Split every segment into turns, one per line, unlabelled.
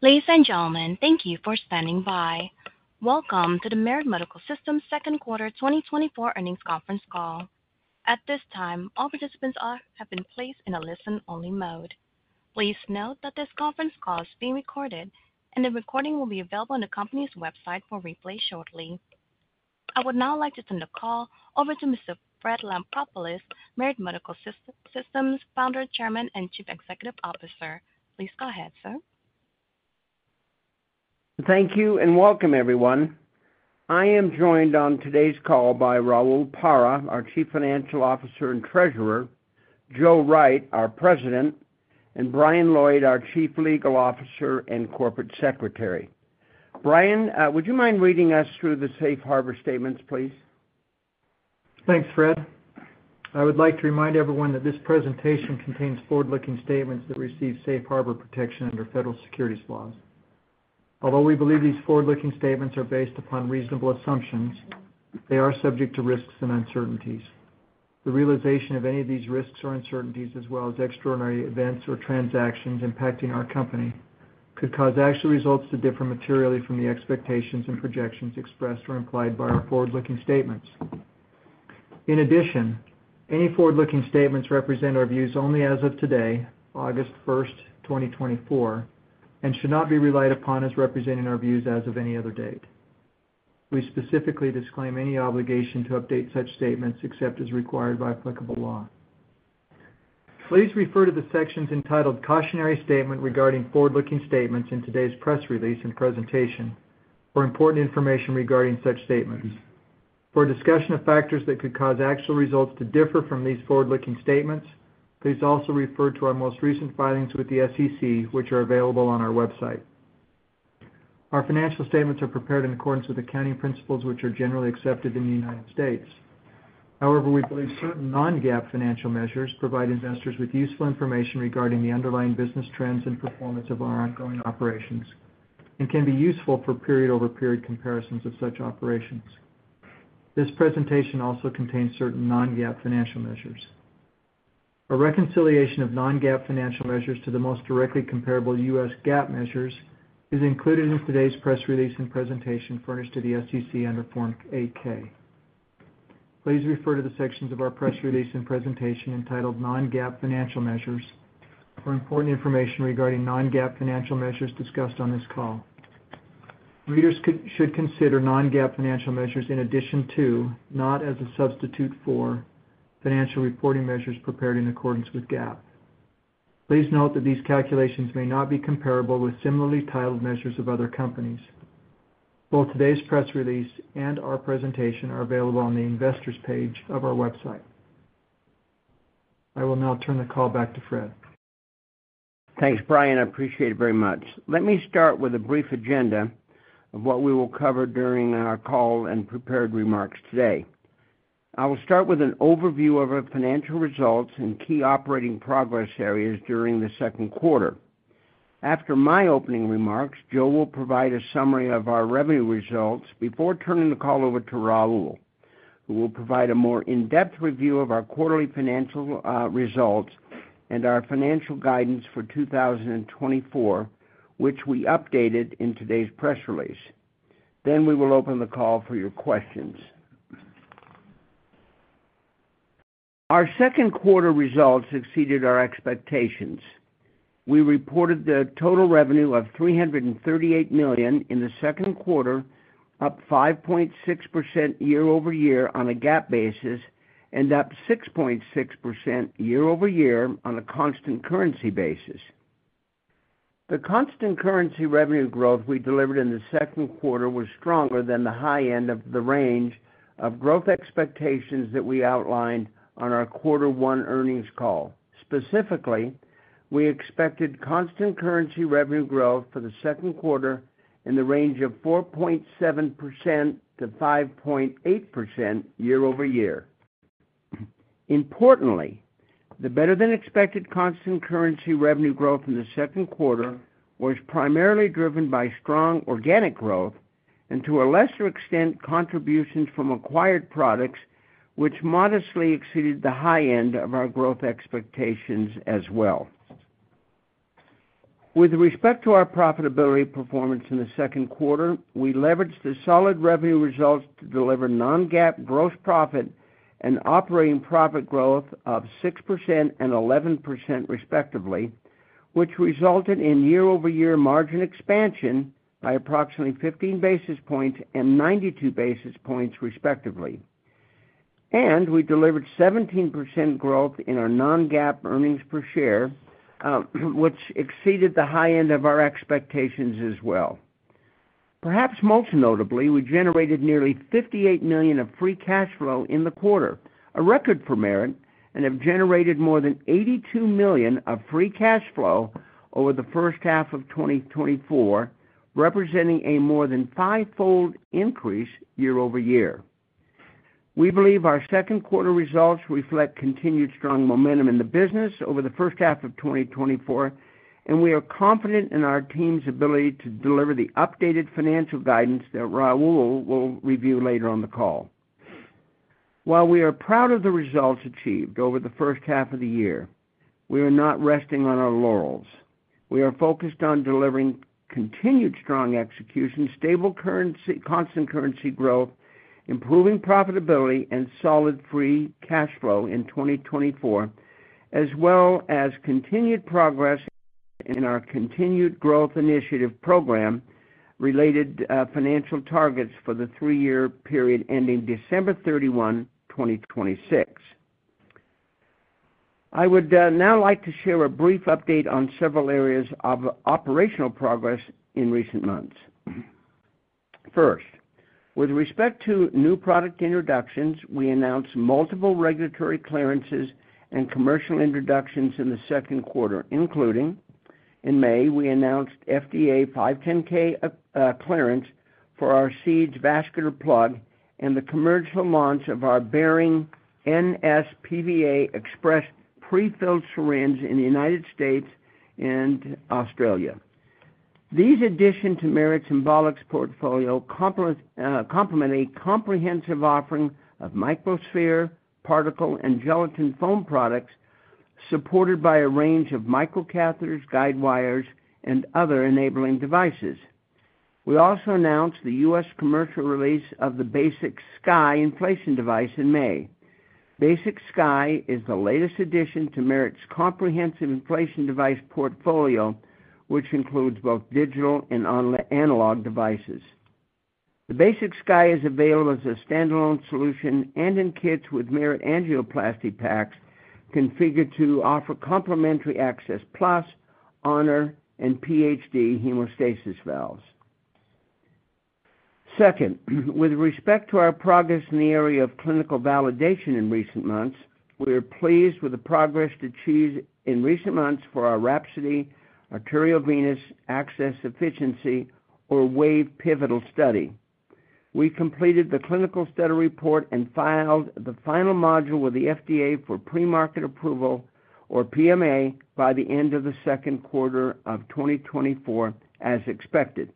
Ladies and gentlemen, thank you for standing by. Welcome to the Merit Medical Systems second quarter 2024 earnings conference call. At this time, all participants have been placed in a listen-only mode. Please note that this conference call is being recorded, and the recording will be available on the company's website for replay shortly. I would now like to turn the call over to Mr. Fred Lampropoulos, Merit Medical Systems Founder, Chairman, and Chief Executive Officer. Please go ahead, sir.
Thank you, and welcome, everyone. I am joined on today's call by Rahul Parikh, our Chief Financial Officer and Treasurer, Joe Wright, our President, and Brian Lloyd, our Chief Legal Officer and Corporate Secretary. Brian, would you mind reading us through the safe harbor statements, please?
Thanks, Fred. I would like to remind everyone that this presentation contains forward-looking statements that receive safe harbor protection under federal securities laws. Although we believe these forward-looking statements are based upon reasonable assumptions, they are subject to risks and uncertainties. The realization of any of these risks or uncertainties, as well as extraordinary events or transactions impacting our company, could cause actual results to differ materially from the expectations and projections expressed or implied by our forward-looking statements. In addition, any forward-looking statements represent our views only as of today, August 1, 2024, and should not be relied upon as representing our views as of any other date. We specifically disclaim any obligation to update such statements except as required by applicable law. Please refer to the sections entitled "Cautionary Statement regarding forward-looking statements" in today's press release and presentation for important information regarding such statements. For a discussion of factors that could cause actual results to differ from these forward-looking statements, please also refer to our most recent filings with the SEC, which are available on our website. Our financial statements are prepared in accordance with accounting principles, which are generally accepted in the United States. However, we believe certain non-GAAP financial measures provide investors with useful information regarding the underlying business trends and performance of our ongoing operations and can be useful for period-over-period comparisons of such operations. This presentation also contains certain non-GAAP financial measures. A reconciliation of non-GAAP financial measures to the most directly comparable U.S. GAAP measures is included in today's press release and presentation furnished to the SEC under Form 8-K. Please refer to the sections of our press release and presentation entitled "Non-GAAP Financial Measures" for important information regarding non-GAAP financial measures discussed on this call. Readers should consider non-GAAP financial measures in addition to, not as a substitute for, financial reporting measures prepared in accordance with GAAP. Please note that these calculations may not be comparable with similarly titled measures of other companies. Both today's press release and our presentation are available on the Investors page of our website. I will now turn the call back to Fred.
Thanks, Brian. I appreciate it very much. Let me start with a brief agenda of what we will cover during our call and prepared remarks today. I will start with an overview of our financial results and key operating progress areas during the second quarter. After my opening remarks, Joe will provide a summary of our revenue results before turning the call over to Rahul, who will provide a more in-depth review of our quarterly financial results and our financial guidance for 2024, which we updated in today's press release. Then we will open the call for your questions. Our second quarter results exceeded our expectations. We reported the total revenue of $338 million in the second quarter, up 5.6% year-over-year on a GAAP basis and up 6.6% year-over-year on a constant currency basis. The constant currency revenue growth we delivered in the second quarter was stronger than the high end of the range of growth expectations that we outlined on our Quarter One earnings call. Specifically, we expected constant currency revenue growth for the second quarter in the range of 4.7%-5.8% year-over-year. Importantly, the better-than-expected constant currency revenue growth in the second quarter was primarily driven by strong organic growth and, to a lesser extent, contributions from acquired products, which modestly exceeded the high end of our growth expectations as well. With respect to our profitability performance in the second quarter, we leveraged the solid revenue results to deliver non-GAAP gross profit and operating profit growth of 6% and 11%, respectively, which resulted in year-over-year margin expansion by approximately 15 basis points and 92 basis points, respectively. We delivered 17% growth in our non-GAAP earnings per share, which exceeded the high end of our expectations as well. Perhaps most notably, we generated nearly $58 million of free cash flow in the quarter, a record for Merit, and have generated more than $82 million of free cash flow over the first half of 2024, representing a more than fivefold increase year-over-year. We believe our second quarter results reflect continued strong momentum in the business over the first half of 2024, and we are confident in our team's ability to deliver the updated financial guidance that Rahul will review later on the call. While we are proud of the results achieved over the first half of the year, we are not resting on our laurels. We are focused on delivering continued strong execution, stable currency, constant currency growth, improving profitability, and solid free cash flow in 2024, as well as continued progress in our continued growth initiative program related financial targets for the three-year period ending December 31, 2026. I would now like to share a brief update on several areas of operational progress in recent months. First, with respect to new product introductions, we announced multiple regulatory clearances and commercial introductions in the second quarter, including: in May, we announced FDA 510(k) clearance for our SEEDS Vascular Plug and the commercial launch of our Bearing nsPVA Express prefilled syringe in the United States and Australia. These addition to Merit's Embolics portfolio complement a comprehensive offering of microsphere, particle, and gelatin foam products, supported by a range of microcatheters, guide wires, and other enabling devices. We also announced the US commercial release of the BasixKY inflation device in May. BasixKY is the latest addition to Merit's comprehensive inflation device portfolio, which includes both digital and analog devices. The BasixKY is available as a standalone solution and in kits with Merit angioplasty packs, configured to offer complementary access, plus Honor and PhD hemostasis valves. Second, with respect to our progress in the area of clinical validation in recent months, we are pleased with the progress achieved in recent months for our Wrapsodyarteriovenous access efficacy or WAVE pivotal study. We completed the clinical study report and filed the final module with the FDA for premarket approval, or PMA, by the end of the second quarter of 2024, as expected.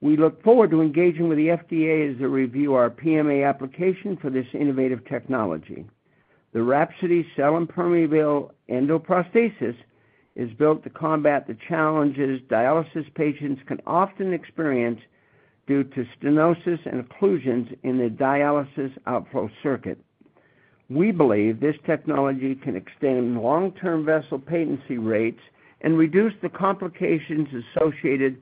We look forward to engaging with the FDA as they review our PMA application for this innovative technology. The Wrapsodycell-impermeable endoprosthesis is built to combat the challenges dialysis patients can often experience due to stenosis and occlusions in the dialysis outflow circuit. We believe this technology can extend long-term vessel patency rates and reduce the complications associated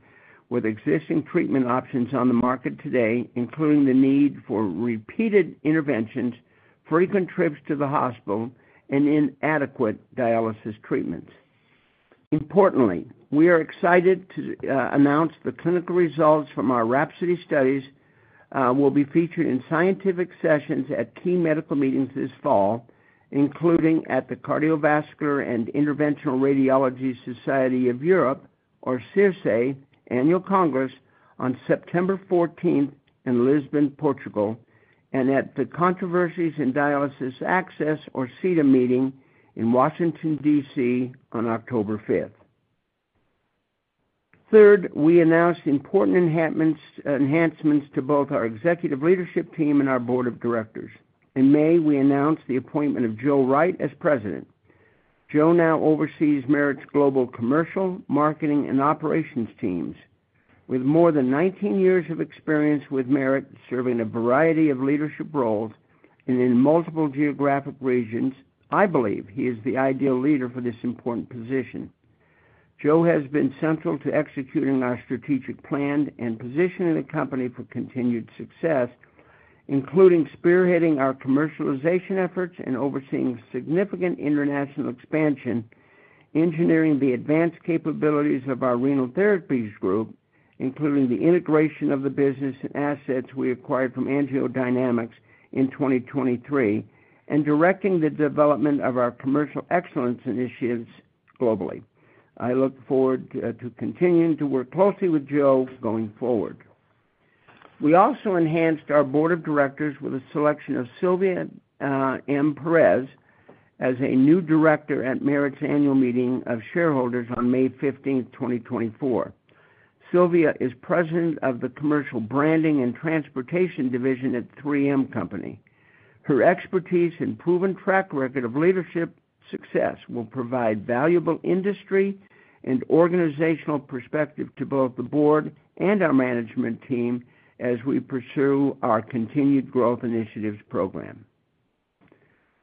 with existing treatment options on the market today, including the need for repeated interventions, frequent trips to the hospital, and inadequate dialysis treatments. Importantly, we are excited to announce the clinical results from our Wrapsody studies will be featured in scientific sessions at key medical meetings this fall, including at the Cardiovascular and Interventional Radiology Society of Europe, or CIRSE, Annual Congress on September 14 in Lisbon, Portugal, and at the Controversies in Dialysis Access, or CIDA, meeting in Washington, DC, on October 5. Third, we announced important enhancements, enhancements to both our executive leadership team and our board of directors. In May, we announced the appointment of Joe Wright as President. Joe now oversees Merit's global commercial, marketing, and operations teams. With more than 19 years of experience with Merit, serving a variety of leadership roles and in multiple geographic regions, I believe he is the ideal leader for this important position. Joe has been central to executing our strategic plan and positioning the company for continued success, including spearheading our commercialization efforts and overseeing significant international expansion, engineering the advanced capabilities of our renal therapies group, including the integration of the business and assets we acquired from AngioDynamics in 2023, and directing the development of our commercial excellence initiatives globally. I look forward to continuing to work closely with Joe going forward. We also enhanced our board of directors with the selection of Sylvia M. Perez as a new director at Merit’s Annual Meeting of Shareholders on May 15th, 2024. Sylvia is President of the Commercial Branding and Transportation Division at 3M Company. Her expertise and proven track record of leadership success will provide valuable industry and organizational perspective to both the board and our management team as we pursue our Continued Growth Initiatives program.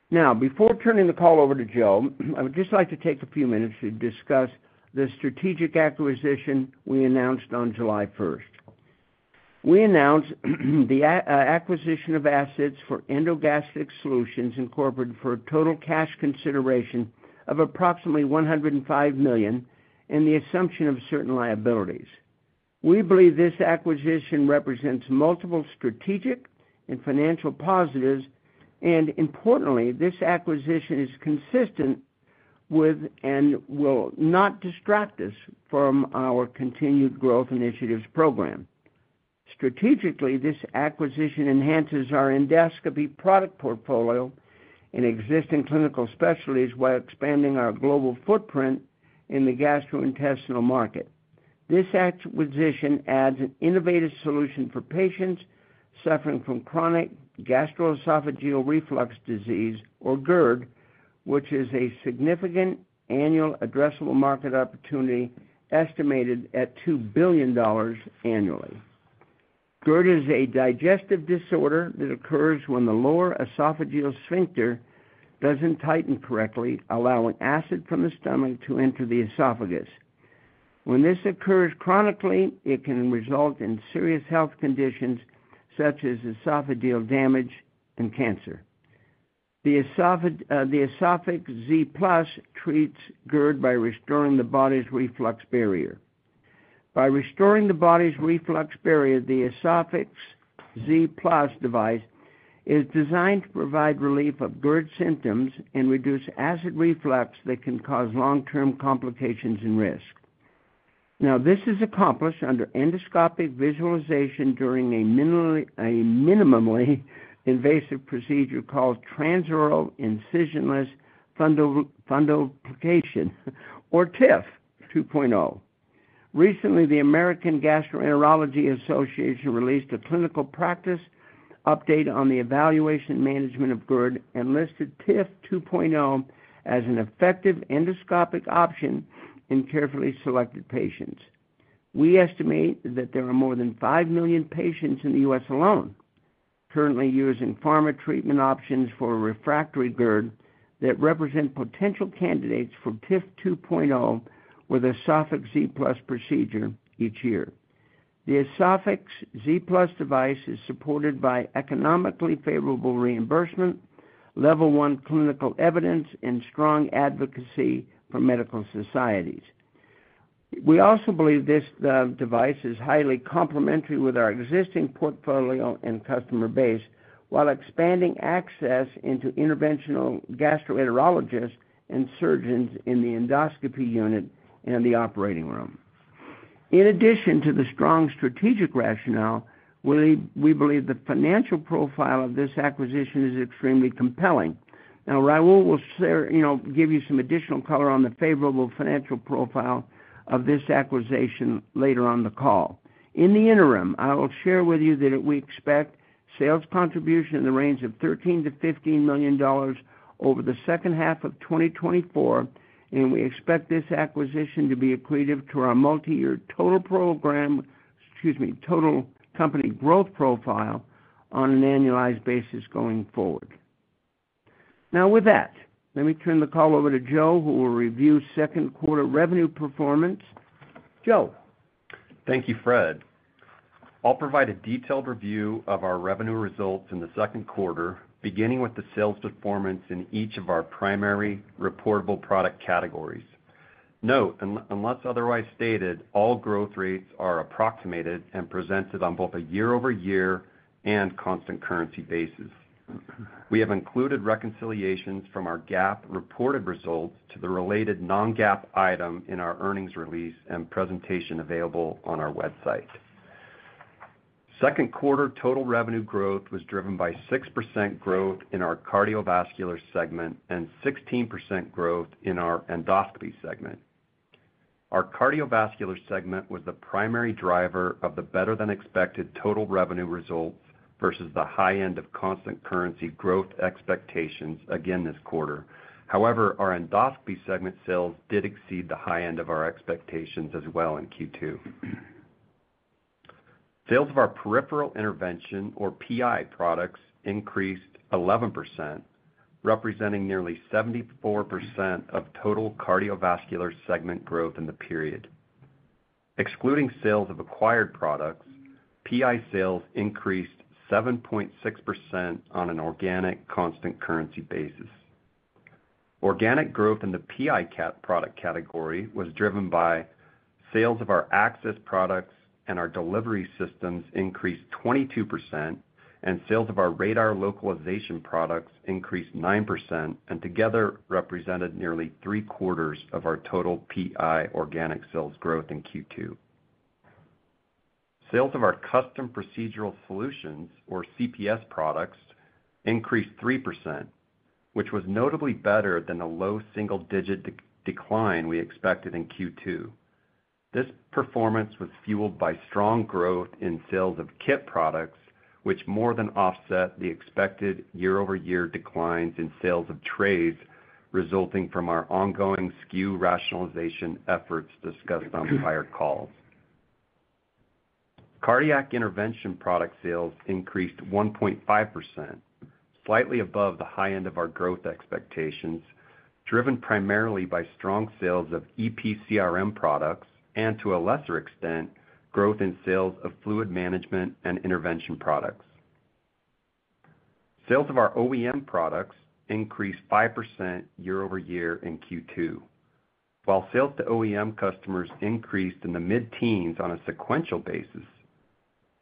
Now, before turning the call over to Joe, I would just like to take a few minutes to discuss the strategic acquisition we announced on July first. We announced the acquisition of assets for EndoGastric Solutions Incorporated for a total cash consideration of approximately $105 million and the assumption of certain liabilities. We believe this acquisition represents multiple strategic and financial positives, and importantly, this acquisition is consistent with and will not distract us from our Continued Growth Initiatives program. Strategically, this acquisition enhances our endoscopy product portfolio in existing clinical specialties while expanding our global footprint in the gastrointestinal market. This acquisition adds an innovative solution for patients suffering from chronic gastroesophageal reflux disease or GERD, which is a significant annual addressable market opportunity, estimated at $2 billion annually. GERD is a digestive disorder that occurs when the lower esophageal sphincter doesn't tighten correctly, allowing acid from the stomach to enter the esophagus. When this occurs chronically, it can result in serious health conditions such as esophageal damage and cancer. The EsophyX Z+ treats GERD by restoring the body's reflux barrier. By restoring the body's reflux barrier, the EsophyX Z+ device is designed to provide relief of GERD symptoms and reduce acid reflux that can cause long-term complications and risk. Now, this is accomplished under endoscopic visualization during a minimally invasive procedure called transoral incisionless fundoplication or TIF 2.0. Recently, the American Gastroenterological Association released a clinical practice update on the evaluation and management of GERD, and listed TIF 2.0 as an effective endoscopic option in carefully selected patients. We estimate that there are more than 5 million patients in the U.S. alone, currently using pharma treatment options for refractory GERD that represent potential candidates for TIF 2.0, or the EsophyX Z+ procedure each year. The EsophyX Z+ device is supported by economically favorable reimbursement, level one clinical evidence, and strong advocacy for medical societies. We also believe this device is highly complementary with our existing portfolio and customer base, while expanding access into interventional gastroenterologists and surgeons in the endoscopy unit and the operating room. In addition to the strong strategic rationale, we believe the financial profile of this acquisition is extremely compelling. Now, Rahul will share, you know, give you some additional color on the favorable financial profile of this acquisition later on the call. In the interim, I will share with you that we expect sales contribution in the range of $13 million-$15 million over the second half of 2024, and we expect this acquisition to be accretive to our multi-year total program, excuse me, total company growth profile on an annualized basis going forward. Now, with that, let me turn the call over to Joe, who will review second quarter revenue performance. Joe?
Thank you, Fred. I'll provide a detailed review of our revenue results in the second quarter, beginning with the sales performance in each of our primary reportable product categories. Note, unless otherwise stated, all growth rates are approximated and presented on both a year-over-year and constant currency basis. We have included reconciliations from our GAAP reported results to the related non-GAAP item in our earnings release and presentation available on our website. Second quarter total revenue growth was driven by 6% growth in our cardiovascular segment and 16% growth in our endoscopy segment. Our cardiovascular segment was the primary driver of the better-than-expected total revenue results versus the high end of constant currency growth expectations again this quarter. However, our endoscopy segment sales did exceed the high end of our expectations as well in Q2. Sales of our peripheral intervention, or PI, products increased 11%, representing nearly 74% of total cardiovascular segment growth in the period. Excluding sales of acquired products, PI sales increased 7.6% on an organic constant currency basis. Organic growth in the PI product category was driven by sales of our access products, and our delivery systems increased 22%, and sales of our radar localization products increased 9%, and together represented nearly three-quarters of our total PI organic sales growth in Q2. Sales of our custom procedural solutions, or CPS products, increased 3%, which was notably better than the low single-digit decline we expected in Q2. This performance was fueled by strong growth in sales of kit products, which more than offset the expected year-over-year declines in sales of trades, resulting from our ongoing SKU rationalization efforts discussed on prior calls. Cardiac intervention product sales increased 1.5%, slightly above the high end of our growth expectations, driven primarily by strong sales of EP/CRM products and, to a lesser extent, growth in sales of fluid management and intervention products. Sales of our OEM products increased 5% year-over-year in Q2. While sales to OEM customers increased in the mid-teens on a sequential basis,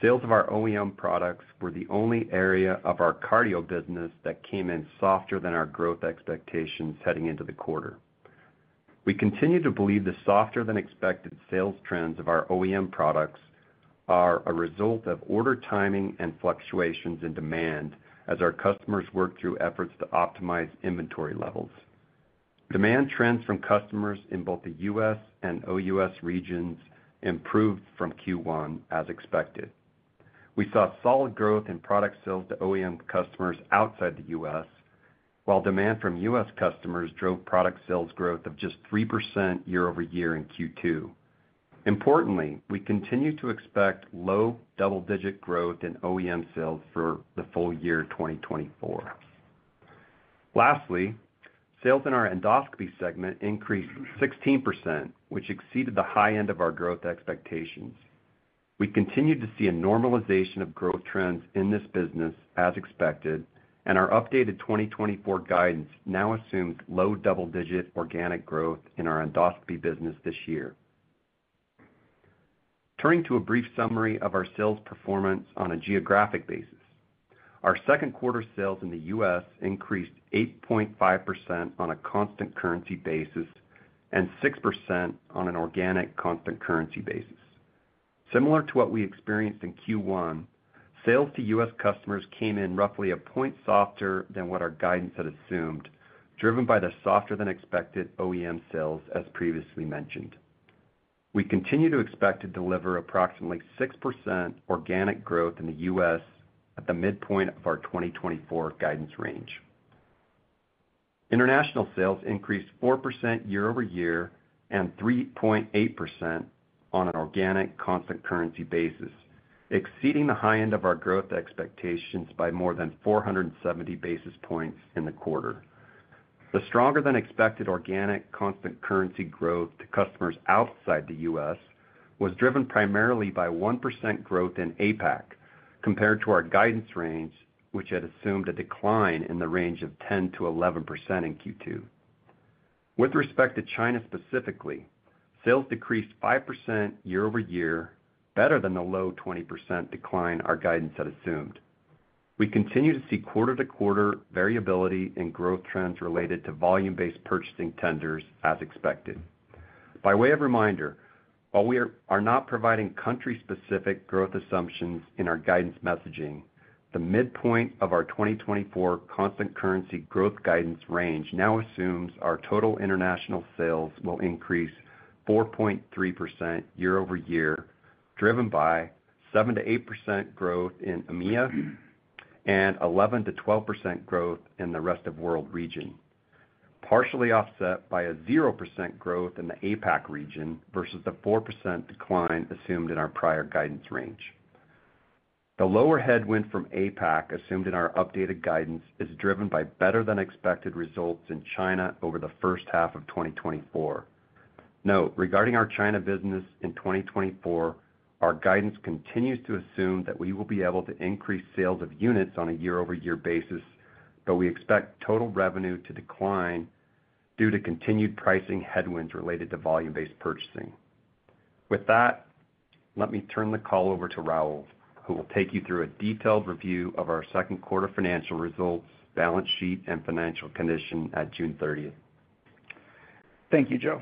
sales of our OEM products were the only area of our cardio business that came in softer than our growth expectations heading into the quarter. We continue to believe the softer-than-expected sales trends of our OEM products are a result of order timing and fluctuations in demand as our customers work through efforts to optimize inventory levels. Demand trends from customers in both the U.S. and OUS regions improved from Q1, as expected. We saw solid growth in product sales to OEM customers outside the US, while demand from US customers drove product sales growth of just 3% year-over-year in Q2. Importantly, we continue to expect low double-digit growth in OEM sales for the full year, 2024. Lastly, sales in our endoscopy segment increased 16%, which exceeded the high end of our growth expectations. We continued to see a normalization of growth trends in this business as expected, and our updated 2024 guidance now assumes low double-digit organic growth in our endoscopy business this year. Turning to a brief summary of our sales performance on a geographic basis. Our second quarter sales in the US increased 8.5% on a constant currency basis and 6% on an organic constant currency basis. Similar to what we experienced in Q1, sales to US customers came in roughly a point softer than what our guidance had assumed, driven by the softer than expected OEM sales, as previously mentioned. We continue to expect to deliver approximately 6% organic growth in the US at the midpoint of our 2024 guidance range. International sales increased 4% year-over-year and 3.8% on an organic constant currency basis, exceeding the high end of our growth expectations by more than 470 basis points in the quarter. The stronger than expected organic constant currency growth to customers outside the US was driven primarily by 1% growth in APAC, compared to our guidance range, which had assumed a decline in the range of 10%-11% in Q2. With respect to China specifically, sales decreased 5% year-over-year, better than the low 20% decline our guidance had assumed. We continue to see quarter-to-quarter variability in growth trends related to volume-based purchasing tenders as expected. By way of reminder, while we are not providing country-specific growth assumptions in our guidance messaging, the midpoint of our 2024 constant currency growth guidance range now assumes our total international sales will increase 4.3% year-over-year, driven by 7%-8% growth in EMEA, and 11%-12% growth in the rest of world region, partially offset by a 0% growth in the APAC region versus the 4% decline assumed in our prior guidance range. The lower headwind from APAC, assumed in our updated guidance, is driven by better than expected results in China over the first half of 2024. Note, regarding our China business in 2024, our guidance continues to assume that we will be able to increase sales of units on a year-over-year basis, but we expect total revenue to decline due to continued pricing headwinds related to volume-based purchasing. With that, let me turn the call over to Rahul, who will take you through a detailed review of our second quarter financial results, balance sheet, and financial condition at June thirtieth.
Thank you, Joe.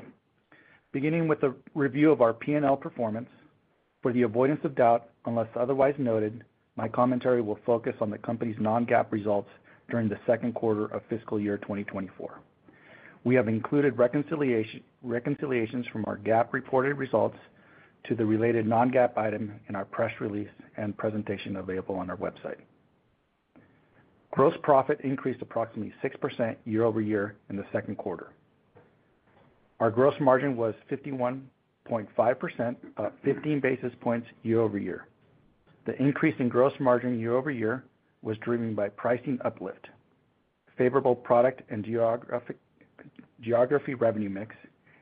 Beginning with a review of our P&L performance, for the avoidance of doubt, unless otherwise noted, my commentary will focus on the company's non-GAAP results during the second quarter of fiscal year 2024. We have included reconciliations from our GAAP reported results to the related non-GAAP item in our press release and presentation available on our website. Gross profit increased approximately 6% year-over-year in the second quarter. Our gross margin was 51.5%, fifteen basis points year-over-year. The increase in gross margin year-over-year was driven by pricing uplift, favorable product and geographic revenue mix,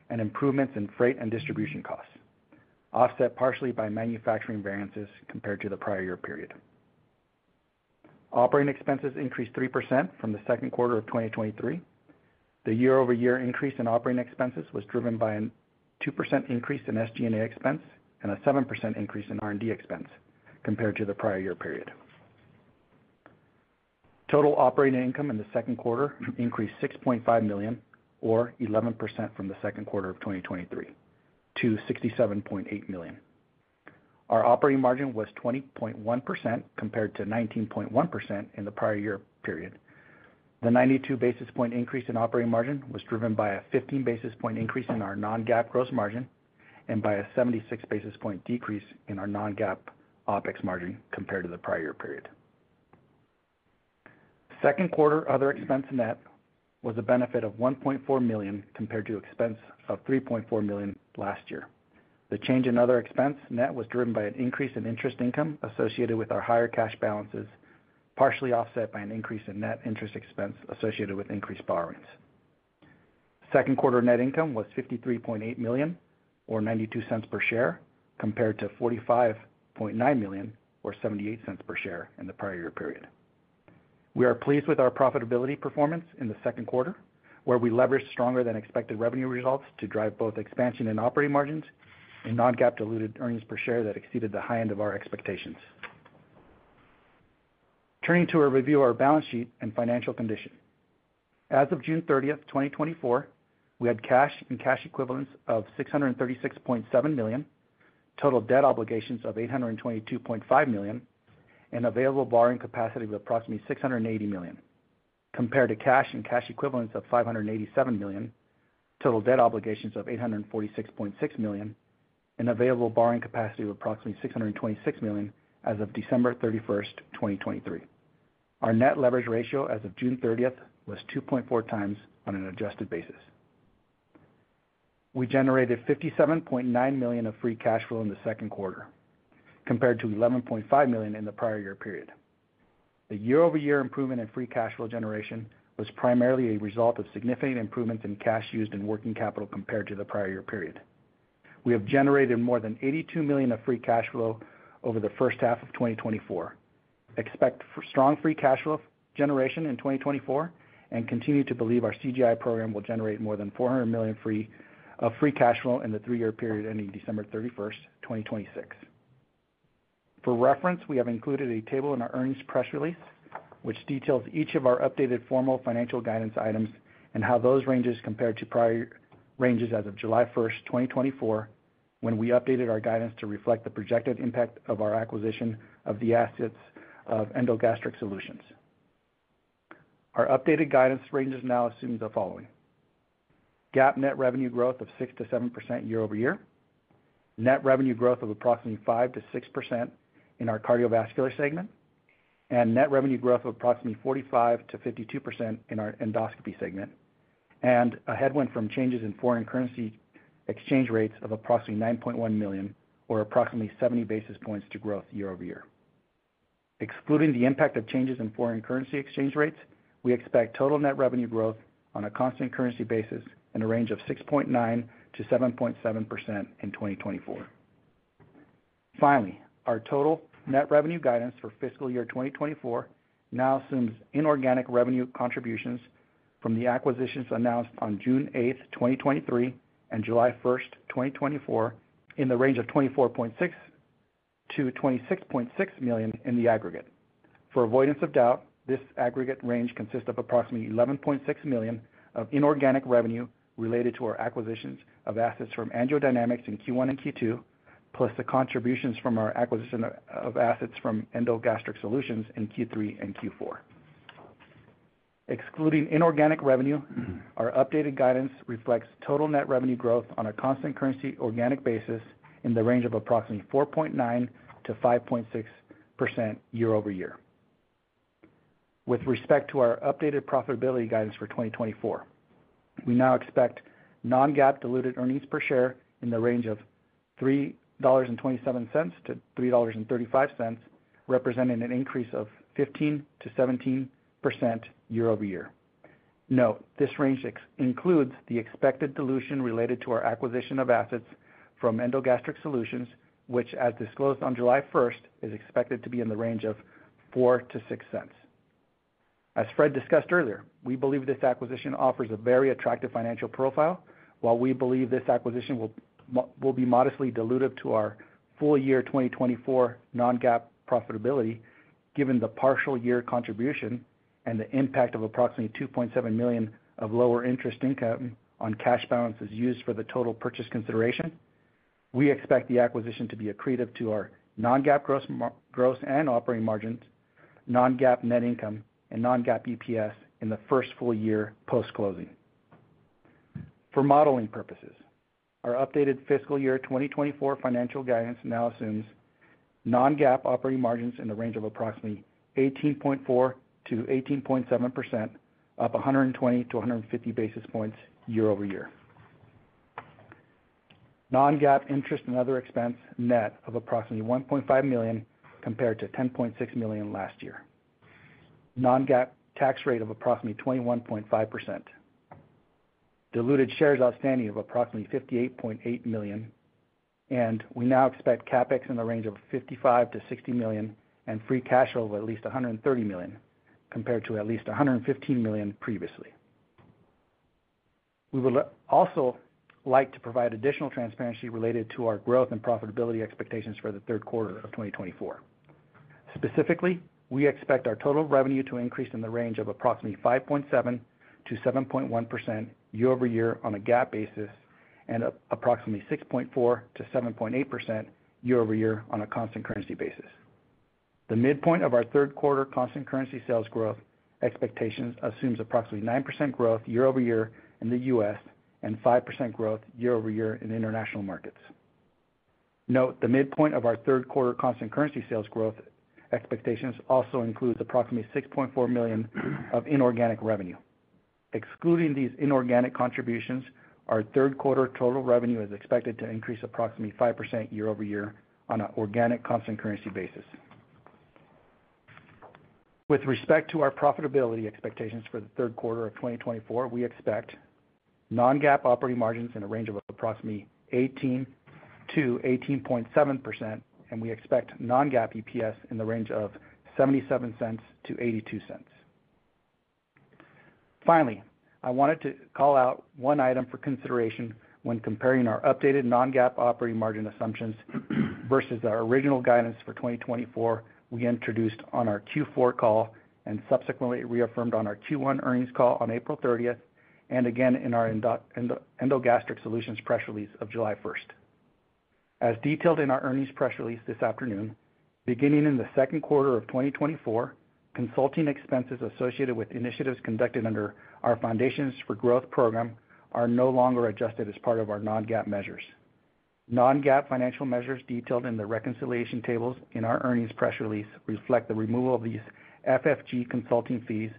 and improvements in freight and distribution costs, offset partially by manufacturing variances compared to the prior year period. Operating expenses increased 3% from the second quarter of 2023. The year-over-year increase in operating expenses was driven by a 2% increase in SG&A expense and a 7% increase in R&D expense compared to the prior year period. Total operating income in the second quarter increased $6.5 million, or 11% from the second quarter of 2023, to $67.8 million. Our operating margin was 20.1%, compared to 19.1% in the prior year period. The 92 basis point increase in operating margin was driven by a 15 basis point increase in our non-GAAP gross margin, and by a 76 basis point decrease in our non-GAAP OpEx margin compared to the prior year period. Second quarter other expense net was a benefit of $1.4 million compared to expense of $3.4 million last year. The change in other expense net was driven by an increase in interest income associated with our higher cash balances, partially offset by an increase in net interest expense associated with increased borrowings. Second quarter net income was $53.8 million or $0.92 per share, compared to $45.9 million or $0.78 per share in the prior year period. We are pleased with our profitability performance in the second quarter, where we leveraged stronger than expected revenue results to drive both expansion and operating margins and non-GAAP diluted earnings per share that exceeded the high end of our expectations. Turning to a review of our balance sheet and financial condition. As of June 30, 2024, we had cash and cash equivalents of $636.7 million, total debt obligations of $822.5 million,... available borrowing capacity of approximately $680 million, compared to cash and cash equivalents of $587 million, total debt obligations of $846.6 million, and available borrowing capacity of approximately $626 million as of December 31st, 2023. Our net leverage ratio as of June 30th was 2.4 times on an adjusted basis. We generated $57.9 million of free cash flow in the second quarter, compared to $11.5 million in the prior year period. The year-over-year improvement in free cash flow generation was primarily a result of significant improvements in cash used in working capital compared to the prior year period. We have generated more than $82 million of free cash flow over the first half of 2024, expect strong free cash flow generation in 2024, and continue to believe our CGI program will generate more than $400 million free cash flow in the three-year period ending December 31, 2026. For reference, we have included a table in our earnings press release, which details each of our updated formal financial guidance items and how those ranges compare to prior ranges as of July 1, 2024, when we updated our guidance to reflect the projected impact of our acquisition of the assets of Endogastric Solutions. Our updated guidance ranges now assumes the following: GAAP net revenue growth of 6%-7% year-over-year, net revenue growth of approximately 5%-6% in our cardiovascular segment, and net revenue growth of approximately 45%-52% in our endoscopy segment, and a headwind from changes in foreign currency exchange rates of approximately $9.1 million, or approximately 70 basis points to growth year-over-year. Excluding the impact of changes in foreign currency exchange rates, we expect total net revenue growth on a constant currency basis in a range of 6.9%-7.7% in 2024. Finally, our total net revenue guidance for fiscal year 2024 now assumes inorganic revenue contributions from the acquisitions announced on June 8, 2023, and July 1, 2024, in the range of $24.6 million-$26.6 million in the aggregate. For avoidance of doubt, this aggregate range consists of approximately $11.6 million of inorganic revenue related to our acquisitions of assets from AngioDynamics in Q1 and Q2, plus the contributions from our acquisition of assets from Endogastric Solutions in Q3 and Q4. Excluding inorganic revenue, our updated guidance reflects total net revenue growth on a constant currency organic basis in the range of approximately 4.9%-5.6% year-over-year. With respect to our updated profitability guidance for 2024, we now expect non-GAAP diluted earnings per share in the range of $3.27-$3.35, representing an increase of 15%-17% year-over-year. Note, this range includes the expected dilution related to our acquisition of assets from Endogastric Solutions, which, as disclosed on July first, is expected to be in the range of $0.04-$0.06. As Fred discussed earlier, we believe this acquisition offers a very attractive financial profile. While we believe this acquisition will be modestly dilutive to our full year 2024 Non-GAAP profitability, given the partial year contribution and the impact of approximately $2.7 million of lower interest income on cash balances used for the total purchase consideration, we expect the acquisition to be accretive to our Non-GAAP gross and operating margins, Non-GAAP net income, and Non-GAAP EPS in the first full year post-closing. For modeling purposes, our updated fiscal year 2024 financial guidance now assumes Non-GAAP operating margins in the range of approximately 18.4%-18.7%, up 120-150 basis points year-over-year. Non-GAAP interest and other expense net of approximately $1.5 million compared to $10.6 million last year. Non-GAAP tax rate of approximately 21.5%. Diluted shares outstanding of approximately 58.8 million, and we now expect CapEx in the range of $55 million-$60 million, and free cash flow of at least $130 million, compared to at least $115 million previously. We would also like to provide additional transparency related to our growth and profitability expectations for the third quarter of 2024. Specifically, we expect our total revenue to increase in the range of approximately 5.7%-7.1% year-over-year on a GAAP basis, and approximately 6.4%-7.8% year-over-year on a constant currency basis. The midpoint of our third quarter constant currency sales growth expectations assumes approximately 9% growth year-over-year in the U.S., and 5% growth year-over-year in international markets. Note, the midpoint of our third quarter constant currency sales growth expectations also includes approximately $6.4 million of inorganic revenue. Excluding these inorganic contributions, our third quarter total revenue is expected to increase approximately 5% year-over-year on an organic constant currency basis. With respect to our profitability expectations for the third quarter of 2024, we expect non-GAAP operating margins in a range of approximately 18%-18.7%, and we expect non-GAAP EPS in the range of $0.77-$0.82. Finally, I wanted to call out one item for consideration when comparing our updated non-GAAP operating margin assumptions versus our original guidance for 2024 we introduced on our Q4 call, and subsequently reaffirmed on our Q1 earnings call on April 30, and again, in our Endogastric Solutions press release of July 1. As detailed in our earnings press release this afternoon, beginning in the second quarter of 2024, consulting expenses associated with initiatives conducted under our Foundations for Growth program are no longer adjusted as part of our non-GAAP measures. Non-GAAP financial measures detailed in the reconciliation tables in our earnings press release reflect the removal of these FFG consulting fees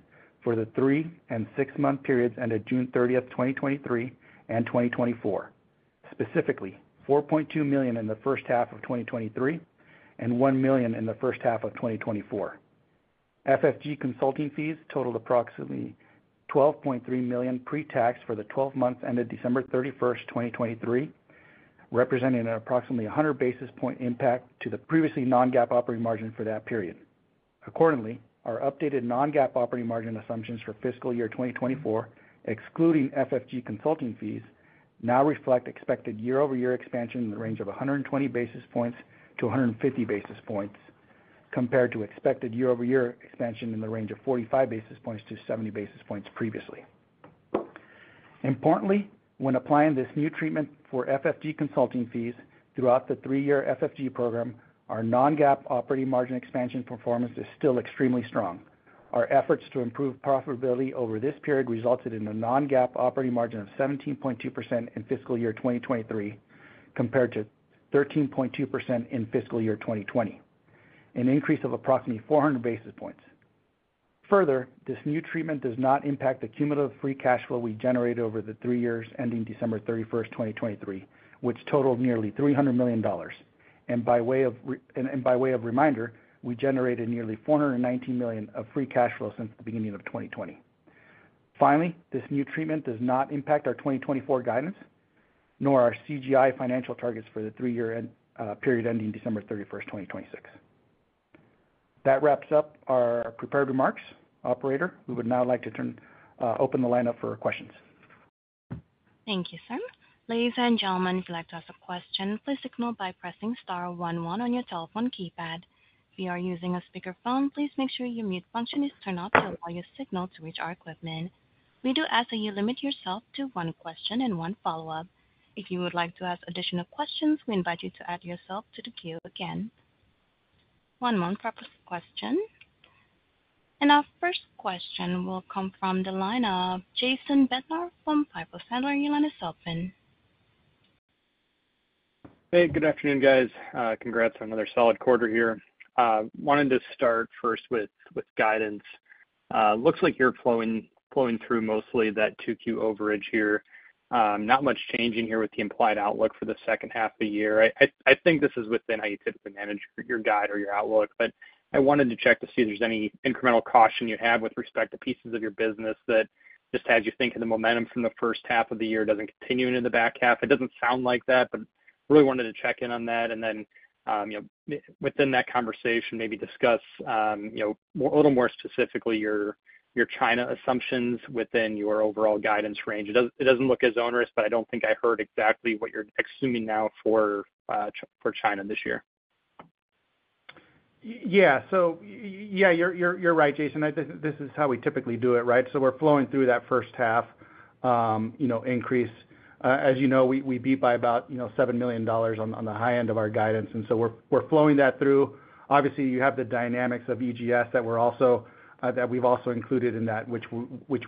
for the 3- and 6-month periods ended June 30, 2023 and 2024. Specifically, $4.2 million in the first half of 2023, and $1 million in the first half of 2024. FFG consulting fees totaled approximately $12.3 million pre-tax for the 12 months ended December 31, 2023, representing an approximately 100 basis point impact to the previously non-GAAP operating margin for that period. Accordingly, our updated non-GAAP operating margin assumptions for fiscal year 2024, excluding FFG consulting fees, now reflect expected year-over-year expansion in the range of 120 basis points to 150 basis points, compared to expected year-over-year expansion in the range of 45 basis points to 70 basis points previously. Importantly, when applying this new treatment for FFG consulting fees throughout the 3-year FFG program, our non-GAAP operating margin expansion performance is still extremely strong. Our efforts to improve profitability over this period resulted in a non-GAAP operating margin of 17.2% in fiscal year 2023, compared to 13.2% in fiscal year 2020, an increase of approximately 400 basis points. Further, this new treatment does not impact the cumulative free cash flow we generated over the three years ending December 31, 2023, which totaled nearly $300 million. And by way of reminder, we generated nearly $419 million of free cash flow since the beginning of 2020. Finally, this new treatment does not impact our 2024 guidance, nor our CGI financial targets for the three-year end, period ending December 31, 2026. That wraps up our prepared remarks. Operator, we would now like to turn, open the line up for questions.
Thank you, sir. Ladies and gentlemen, if you'd like to ask a question, please signal by pressing star one one on your telephone keypad. If you are using a speakerphone, please make sure your mute function is turned off to allow your signal to reach our equipment. We do ask that you limit yourself to one question and one follow-up. If you would like to ask additional questions, we invite you to add yourself to the queue again. One moment for our first question. Our first question will come from the line of Jason Bednar from Piper Sandler. Your line is open.
Hey, good afternoon, guys. Congrats on another solid quarter here. Wanted to start first with guidance. Looks like you're flowing through mostly that 2Q overage here. Not much changing here with the implied outlook for the second half of the year. I think this is within how you typically manage your guide or your outlook, but I wanted to check to see if there's any incremental caution you have with respect to pieces of your business that just has you think of the momentum from the first half of the year doesn't continue into the back half. It doesn't sound like that, but really wanted to check in on that. And then, you know, within that conversation, maybe discuss, you know, a little more specifically, your China assumptions within your overall guidance range. It doesn't look as onerous, but I don't think I heard exactly what you're assuming now for China this year.
Yeah, so yeah, you're right, Jason. This is how we typically do it, right? So we're flowing through that first half, you know, increase. As you know, we beat by about, you know, $7 million on the high end of our guidance, and so we're flowing that through. Obviously, you have the dynamics of EGS that we're also, that we've also included in that, which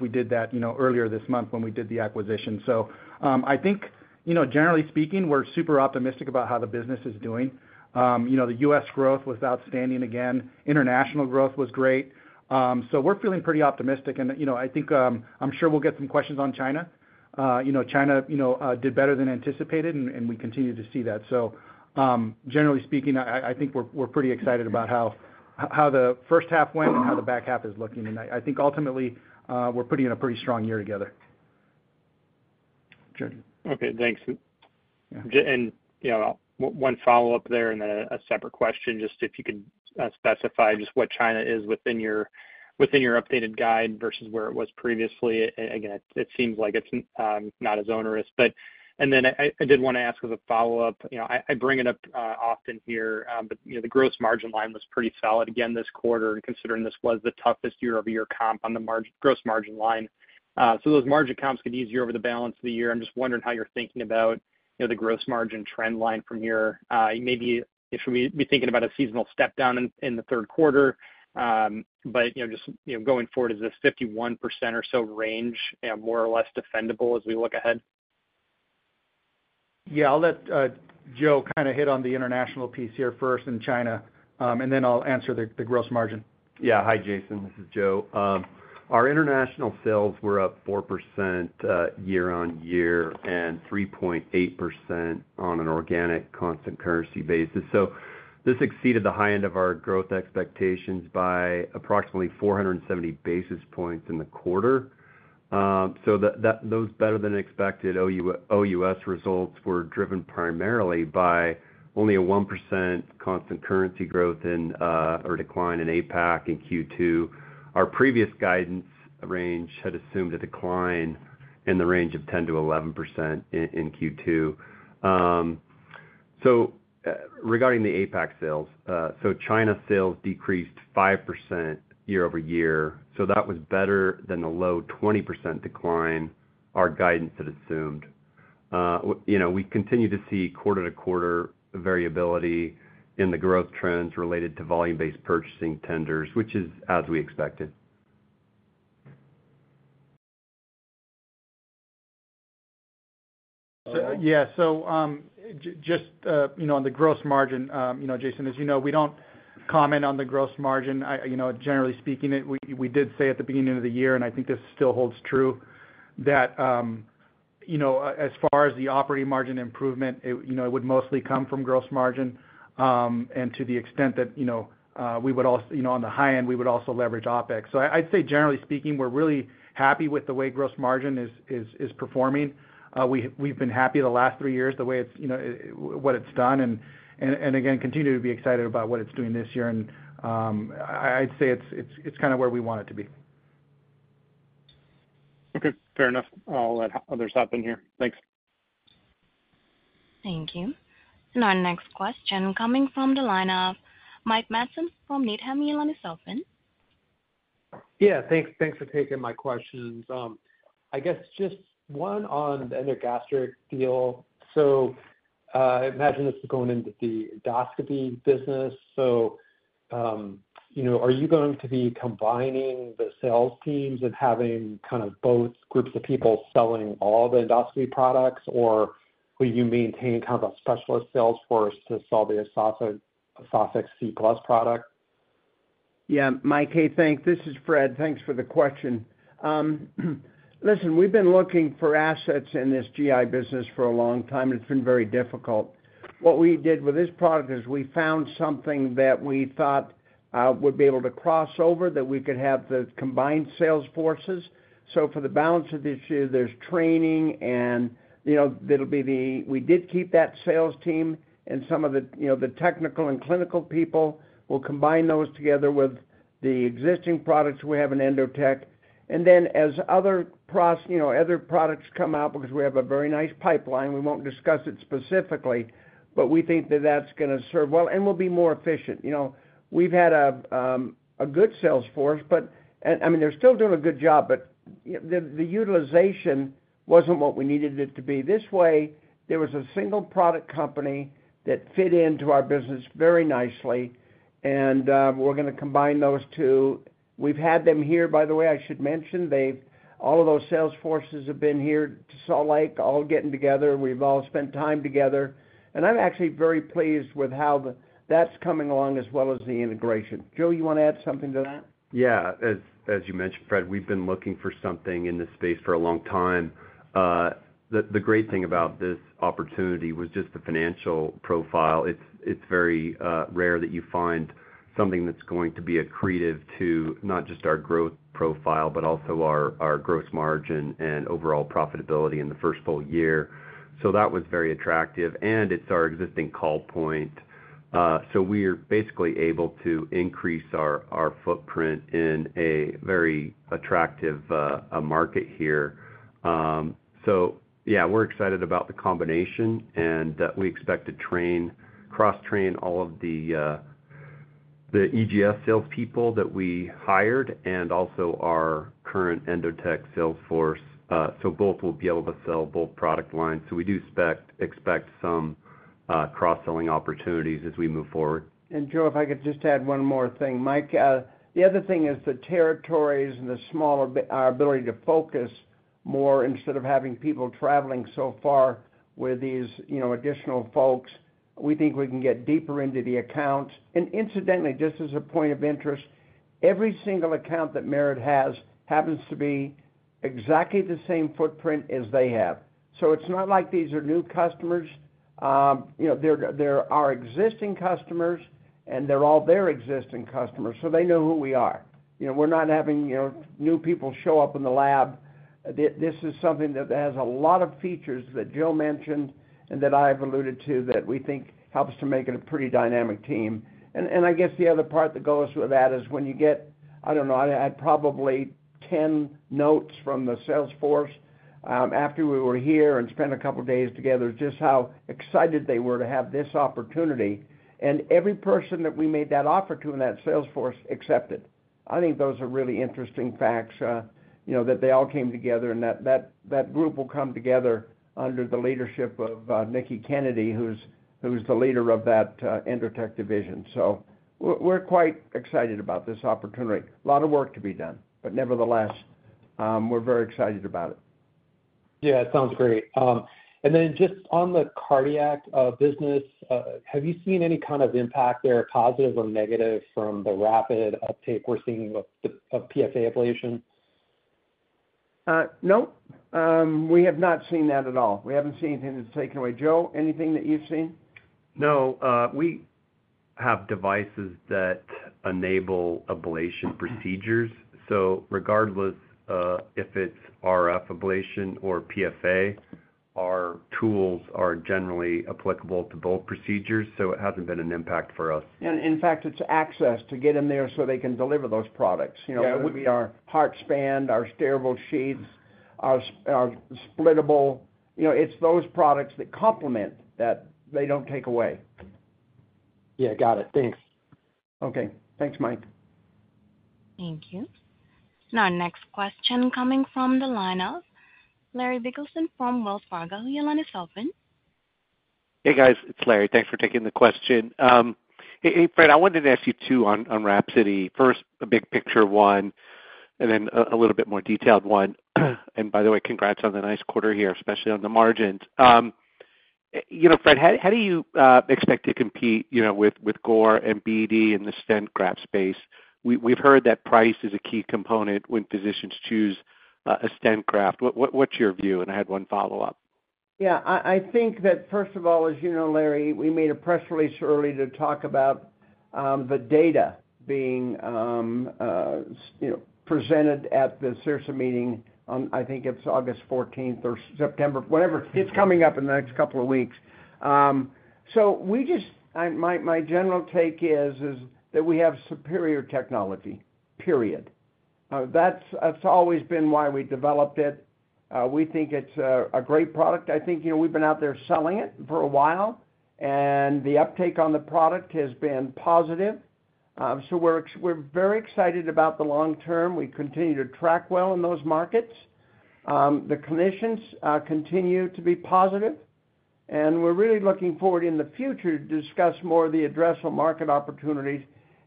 we did that, you know, earlier this month when we did the acquisition. So, I think, you know, generally speaking, we're super optimistic about how the business is doing. You know, the US growth was outstanding again. International growth was great. So we're feeling pretty optimistic and, you know, I think, I'm sure we'll get some questions on China. You know, China, you know, did better than anticipated, and we continue to see that. So, generally speaking, I think we're pretty excited about how the first half went and how the back half is looking. And I think ultimately, we're putting in a pretty strong year together.
Okay, thanks. And, you know, one follow-up there and a separate question, just if you could specify just what China is within your updated guide versus where it was previously. Again, it seems like it's not as onerous. But and then I did want to ask as a follow-up, you know, I bring it up often here, but, you know, the gross margin line was pretty solid again this quarter, and considering this was the toughest year-over-year comp on the margin, gross margin line. So those margin comps get easier over the balance of the year. I'm just wondering how you're thinking about, you know, the gross margin trend line from here. Maybe if we're thinking about a seasonal step down in the third quarter, but, you know, just, you know, going forward, is this 51% or so range more or less defendable as we look ahead?
Yeah, I'll let Joe kind of hit on the international piece here first in China, and then I'll answer the gross margin.
Yeah. Hi, Jason, this is Joe. Our international sales were up 4%, year-on-year and 3.8% on an organic constant currency basis. So this exceeded the high end of our growth expectations by approximately 470 basis points in the quarter. So that, those better than expected OUS results were driven primarily by only a 1% constant currency growth in, or decline in APAC in Q2. Our previous guidance range had assumed a decline in the range of 10%-11% in Q2. So, regarding the APAC sales, so China sales decreased 5% year-over-year, so that was better than the low 20% decline our guidance had assumed. you know, we continue to see quarter-to-quarter variability in the growth trends related to volume-based purchasing tenders, which is as we expected.
Yeah, so, just, you know, on the gross margin, you know, Jason, as you know, we don't comment on the gross margin. I, you know, generally speaking, we, we did say at the beginning of the year, and I think this still holds true, that, you know, as far as the operating margin improvement, it, you know, it would mostly come from gross margin. And to the extent that, you know, we would also, you know, on the high end, we would also leverage OpEx. So I, I'd say, generally speaking, we're really happy with the way gross margin is, is, is performing. We, we've been happy the last three years, the way it's, you know, what it's done, and, and, and again, continue to be excited about what it's doing this year. I'd say it's kind of where we want it to be.
Okay, fair enough. I'll let others hop in here. Thanks.
Thank you. Our next question coming from the line of Mike Matson from Needham & Company.
Yeah, thanks. Thanks for taking my questions. I guess just one on the EndoGastric deal. So, I imagine this is going into the endoscopy business. So, you know, are you going to be combining the sales teams and having kind of both groups of people selling all the endoscopy products? Or will you maintain kind of a specialist sales force to sell the EsophyX Z+ product?
Yeah, Mike, hey, thanks. This is Fred. Thanks for the question. Listen, we've been looking for assets in this GI business for a long time, and it's been very difficult. What we did with this product is we found something that we thought would be able to cross over, that we could have the combined sales forces. So for the balance of this year, there's training and, you know, there'll be the... We did keep that sales team and some of the, you know, the technical and clinical people. We'll combine those together with the existing products we have in Endotek. And then, as other pros- you know, other products come out, because we have a very nice pipeline, we won't discuss it specifically, but we think that that's gonna serve well and will be more efficient. You know, we've had a good sales force, but—and I mean, they're still doing a good job, but the utilization wasn't what we needed it to be. This way, there was a single product company that fit into our business very nicely, and we're gonna combine those two. We've had them here, by the way, I should mention, all of those sales forces have been here to Salt Lake, all getting together. We've all spent time together, and I'm actually very pleased with how that's coming along, as well as the integration. Joe, you wanna add something to that?
Yeah. As you mentioned, Fred, we've been looking for something in this space for a long time. The great thing about this opportunity was just the financial profile. It's very rare that you find something that's going to be accretive to not just our growth profile, but also our gross margin and overall profitability in the first full year. So that was very attractive, and it's our existing call point. So we're basically able to increase our footprint in a very attractive market here. So yeah, we're excited about the combination, and we expect to train, cross-train all of the EGS salespeople that we hired and also our current Endotek sales force, so both will be able to sell both product lines. So we do expect some cross-selling opportunities as we move forward.
Joe, if I could just add one more thing. Mike, the other thing is the territories and our ability to focus more instead of having people traveling so far with these, you know, additional folks. We think we can get deeper into the accounts. And incidentally, just as a point of interest, every single account that Merit has, happens to be exactly the same footprint as they have. So it's not like these are new customers. You know, they're, they're our existing customers, and they're all their existing customers, so they know who we are. You know, we're not having, you know, new people show up in the lab. This is something that has a lot of features that Joe mentioned and that I have alluded to, that we think helps to make it a pretty dynamic team. I guess the other part that goes with that is when you get... I don't know, I'd probably get 10 notes from the sales force, after we were here and spent a couple of days together, just how excited they were to have this opportunity. Every person that we made that offer to in that sales force accepted. I think those are really interesting facts, you know, that they all came together, and that group will come together under the leadership of Nikki Kennedy, who's the leader of that Endotek division. So we're quite excited about this opportunity. A lot of work to be done, but nevertheless, we're very excited about it.
Yeah, it sounds great. And then just on the cardiac business, have you seen any kind of impact there, positive or negative, from the rapid uptake we're seeing of PFA ablation?
No, we have not seen that at all. We haven't seen anything that's taken away. Joe, anything that you've seen?
No, we have devices that enable ablation procedures, so regardless, if it's RF ablation or PFA, our tools are generally applicable to both procedures, so it hasn't been an impact for us.
In fact, it's access to get them there so they can deliver those products.
Yeah.
You know, it would be our heart span, our stable sheaths... our splittable, you know, it's those products that complement that they don't take away.
Yeah, got it. Thanks.
Okay. Thanks, Mike.
Thank you. Now, our next question coming from the line of Larry Biegelsen from Wells Fargo. Your line is open.
Hey, guys. It's Larry. Thanks for taking the question. Hey, Fred, I wanted to ask you two on WRAPSODY. First, a big picture one, and then a little bit more detailed one. And by the way, congrats on the nice quarter here, especially on the margins. You know, Fred, how do you expect to compete, you know, with Gore and BD in the stent graft space? We've heard that price is a key component when physicians choose a stent graft. What's your view? And I had one follow-up.
Yeah, I think that first of all, as you know, Larry, we made a press release early to talk about the data being, you know, presented at the CIRSE meeting on, I think it's August fourteenth or September, whatever. It's coming up in the next couple of weeks. So we just, my general take is that we have superior technology, period. That's always been why we developed it. We think it's a great product. I think, you know, we've been out there selling it for a while, and the uptake on the product has been positive. So we're very excited about the long term. We continue to track well in those markets. The clinicians continue to be positive, and we're really looking forward in the future to discuss more of the addressable market opportunities.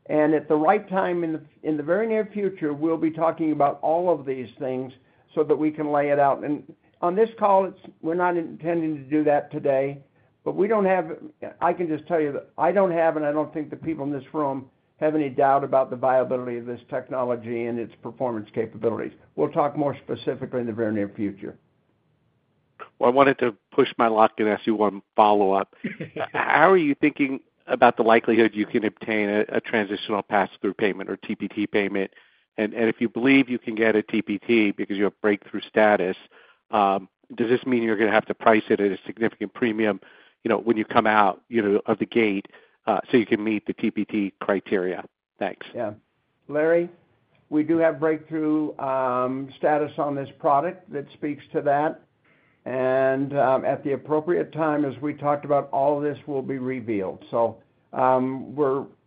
And at the right time, in the very near future, we'll be talking about all of these things so that we can lay it out. And on this call, it's, we're not intending to do that today, but we don't have... I can just tell you that I don't have, and I don't think the people in this room have any doubt about the viability of this technology and its performance capabilities. We'll talk more specifically in the very near future.
Well, I wanted to push my luck and ask you one follow-up. How are you thinking about the likelihood you can obtain a transitional pass-through payment or TPT payment? And if you believe you can get a TPT because you have breakthrough status, does this mean you're going to have to price it at a significant premium, you know, when you come out, you know, of the gate, so you can meet the TPT criteria? Thanks.
Yeah. Larry, we do have breakthrough status on this product that speaks to that. At the appropriate time, as we talked about, all of this will be revealed.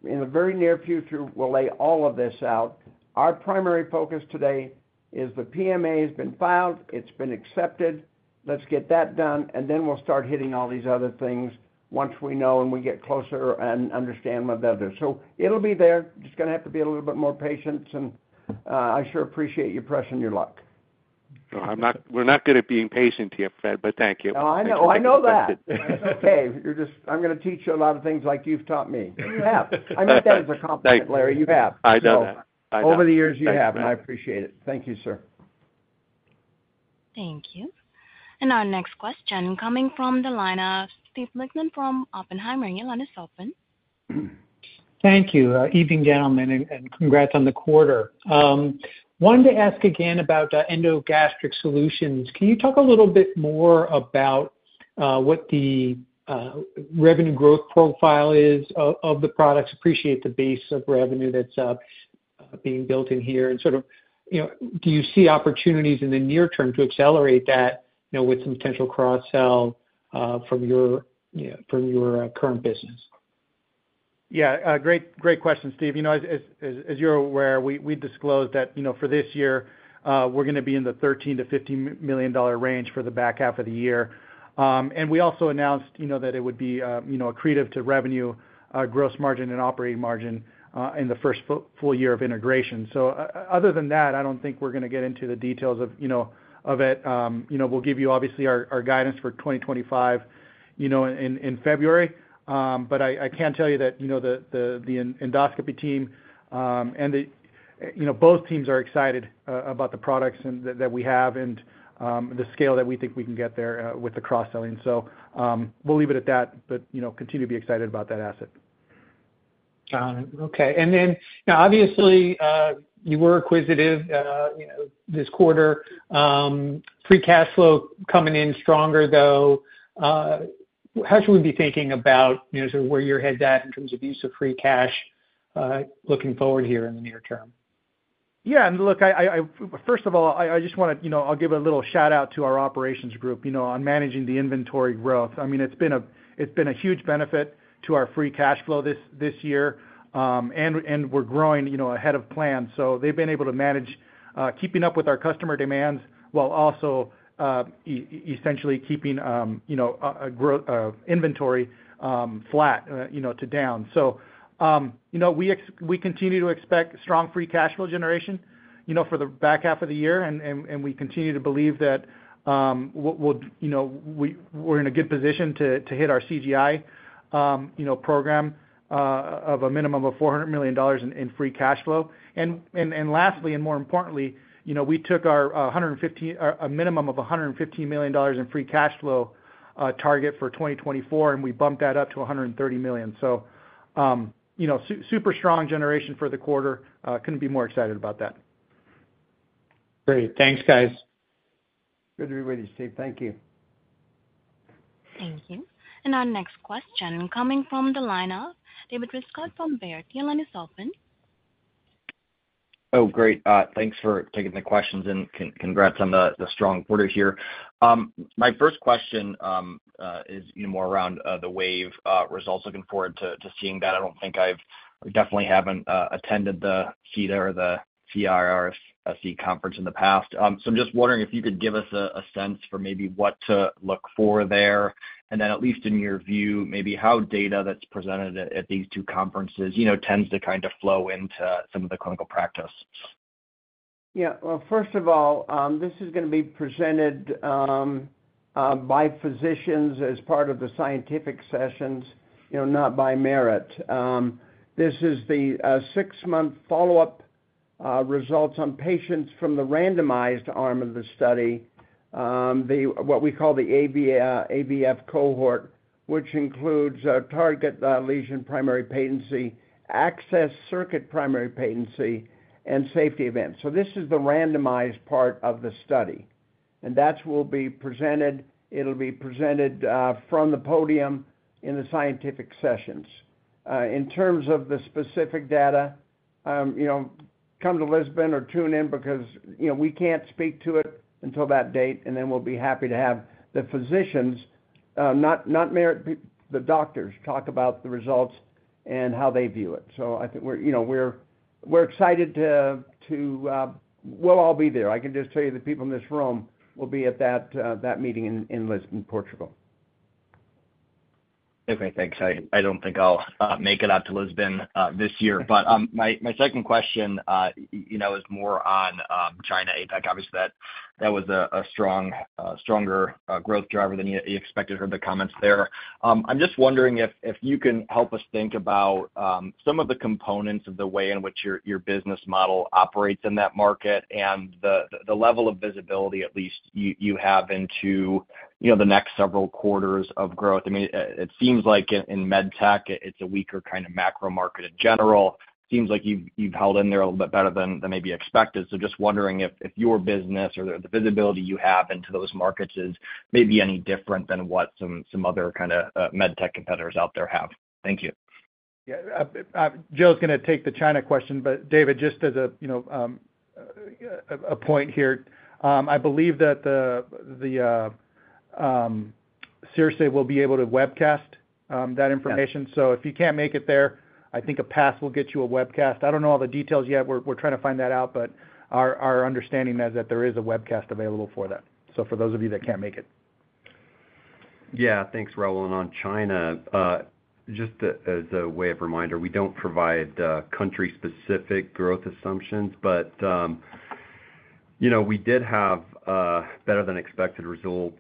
In the very near future, we'll lay all of this out. Our primary focus today is the PMA has been filed, it's been accepted. Let's get that done, and then we'll start hitting all these other things once we know and we get closer and understand them better. So it'll be there. Just gonna have to be a little bit more patient, and I sure appreciate you pressing your luck.
No, I'm not, we're not good at being patient here, Fred, but thank you.
Oh, I know. I know that. It's okay. You're just. I'm going to teach you a lot of things like you've taught me. You have. I mean that as a compliment, Larry. You have.
I know that.
Over the years, you have, and I appreciate it. Thank you, sir.
Thank you. And our next question coming from the line of Steve Lichtman from Oppenheimer. Your line is open.
Thank you. Evening, gentlemen, and congrats on the quarter. Wanted to ask again about the EndoGastric Solutions. Can you talk a little bit more about what the revenue growth profile is of the products? Appreciate the base of revenue that's being built in here, and sort of, you know, do you see opportunities in the near term to accelerate that, you know, with some potential cross-sell from your current business?
Yeah, a great, great question, Steve. You know, as you're aware, we disclosed that, you know, for this year, we're going to be in the $13 million-$15 million range for the back half of the year. And we also announced, you know, that it would be, you know, accretive to revenue, gross margin and operating margin, in the first full year of integration. So other than that, I don't think we're going to get into the details of, you know, of it. You know, we'll give you obviously our guidance for 2025, you know, in February. But I can tell you that, you know, the endoscopy team, and the, you know, both teams are excited about the products and... That we have and the scale that we think we can get there with the cross-selling. So, we'll leave it at that, but you know, continue to be excited about that asset.
Got it. Okay. And then, now, obviously, you were acquisitive, you know, this quarter. Free cash flow coming in stronger, though. How should we be thinking about, you know, sort of where your head's at in terms of use of free cash, looking forward here in the near term?
Yeah, and look, first of all, I just want to, you know, I'll give a little shout-out to our operations group, you know, on managing the inventory growth. I mean, it's been a huge benefit to our free cash flow this year. We're growing, you know, ahead of plan. So they've been able to manage keeping up with our customer demands while also essentially keeping, you know, inventory flat, you know, to down. So, you know, we continue to expect strong free cash flow generation, you know, for the back half of the year. We continue to believe that, we'll, you know, we're in a good position to hit our CGI, you know, program of a minimum of $400 million in free cash flow. And lastly, and more importantly, you know, we took our, a minimum of $115 million in free cash flow target for 2024, and we bumped that up to $130 million. So, you know, super strong generation for the quarter. Couldn't be more excited about that.
Great. Thanks, guys.
Good to be with you, Steve. Thank you.
Thank you. Our next question coming from the line of David Rescott from Baird. Your line is open.
Oh, great. Thanks for taking the questions, and congrats on the strong quarter here. My first question is, you know, more around the wave results. Looking forward to seeing that. I don't think I've. I definitely haven't attended the CIDA or the CIRSE conference in the past. So I'm just wondering if you could give us a sense for maybe what to look for there, and then, at least in your view, maybe how data that's presented at these two conferences, you know, tends to kind of flow into some of the clinical practice.
Yeah. Well, first of all, this is gonna be presented by physicians as part of the scientific sessions, you know, not by Merit. This is the six-month follow-up results on patients from the randomized arm of the study. What we call the AVF cohort, which includes target lesion primary patency, access circuit primary patency, and safety events. So this is the randomized part of the study, and that's will be presented, it'll be presented from the podium in the scientific sessions. In terms of the specific data, you know, come to Lisbon or tune in because, you know, we can't speak to it until that date, and then we'll be happy to have the physicians, not Merit, the doctors, talk about the results and how they view it. So I think we're, you know, excited to... We'll all be there. I can just tell you the people in this room will be at that meeting in Lisbon, Portugal.
Okay, thanks. I don't think I'll make it out to Lisbon this year. But my second question, you know, is more on China, APAC. Obviously, that was a stronger growth driver than you expected from the comments there. I'm just wondering if you can help us think about some of the components of the way in which your business model operates in that market, and the level of visibility at least you have into, you know, the next several quarters of growth. I mean, it seems like in med tech, it's a weaker kind of macro market in general. Seems like you've held in there a little bit better than maybe expected. Just wondering if your business or the visibility you have into those markets is maybe any different than what some other kind of med tech competitors out there have? Thank you.
Yeah, Joe's gonna take the China question, but David, just as a, you know, a point here, I believe that the CIRSE will be able to webcast that information.
Yeah.
So if you can't make it there, I think a pass will get you a webcast. I don't know all the details yet. We're trying to find that out, but our understanding is that there is a webcast available for that, so for those of you that can't make it.
Yeah. Thanks, Rahul.
On China, just as a way of reminder, we don't provide country-specific growth assumptions, but you know, we did have better than expected results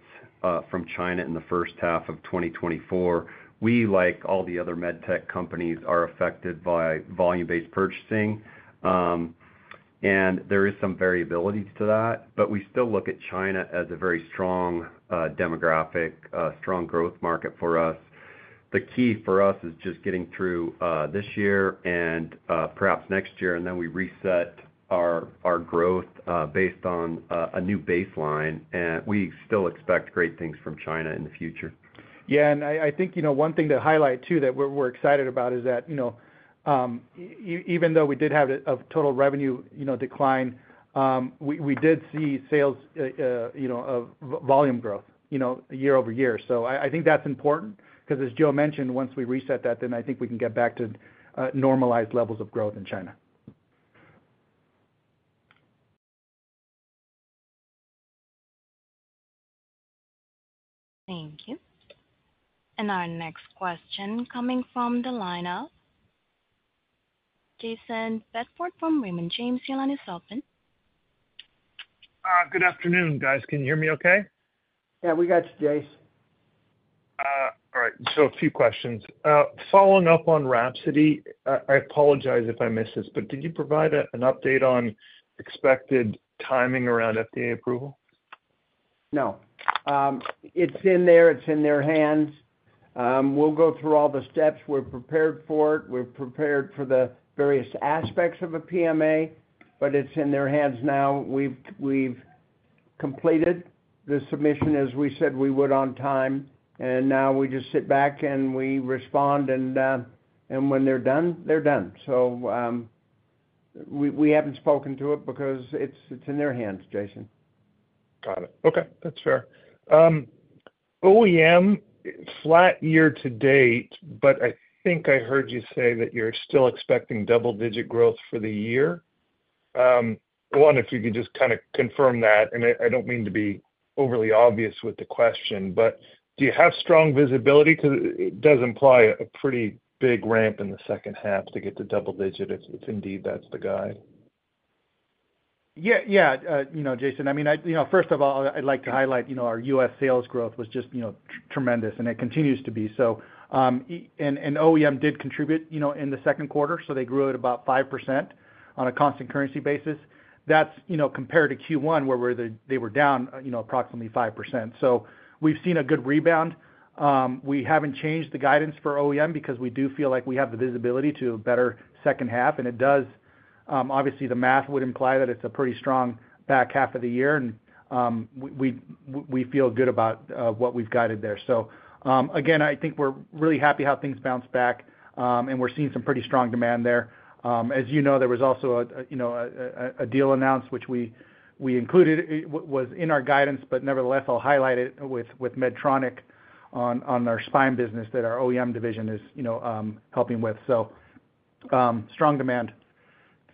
from China in the first half of 2024. We, like all the other med tech companies, are affected by volume-based purchasing, and there is some variability to that, but we still look at China as a very strong demographic strong growth market for us. The key for us is just getting through this year and perhaps next year, and then we reset our growth based on a new baseline, and we still expect great things from China in the future.
Yeah, I think, you know, one thing to highlight too that we're excited about is that, you know, even though we did have a total revenue, you know, decline, we did see sales, you know, of volume growth, you know, year over year. So I think that's important, 'cause as Joe mentioned, once we reset that, then I think we can get back to normalized levels of growth in China.
Thank you. Our next question coming from the line of Jason Bedford from Raymond James. Your line is open.
Good afternoon, guys. Can you hear me okay?
Yeah, we got you, Jase.
All right. A few questions. Following up on WRAPSODY, I apologize if I missed this, but did you provide an update on expected timing around FDA approval?
No. It's in there, it's in their hands. We'll go through all the steps. We're prepared for it. We're prepared for the various aspects of a PMA, but it's in their hands now. We've completed the submission as we said we would on time, and now we just sit back, and we respond, and when they're done, they're done. So, we haven't spoken to it because it's in their hands, Jason.
Got it. Okay, that's fair. OEM, flat year to date, but I think I heard you say that you're still expecting double digit growth for the year. One, if you could just kind of confirm that, and I, I don't mean to be overly obvious with the question, but do you have strong visibility? 'Cause it, it does imply a pretty big ramp in the second half to get to double digit, if, if indeed that's the guide.
Yeah, yeah. You know, Jason, I mean, you know, first of all, I'd like to highlight, you know, our U.S. sales growth was just, you know, tremendous, and it continues to be so. And OEM did contribute, you know, in the second quarter, so they grew at about 5% on a constant currency basis. That's, you know, compared to Q1, where they were down, you know, approximately 5%. So we've seen a good rebound. We haven't changed the guidance for OEM because we do feel like we have the visibility to a better second half, and it does, obviously, the math would imply that it's a pretty strong back half of the year, and we feel good about what we've guided there. So, again, I think we're really happy how things bounced back, and we're seeing some pretty strong demand there. As you know, there was also, you know, a deal announced, which we included, was in our guidance, but nevertheless, I'll highlight it with Medtronic on our spine business, that our OEM division is, you know, helping with. So, strong demand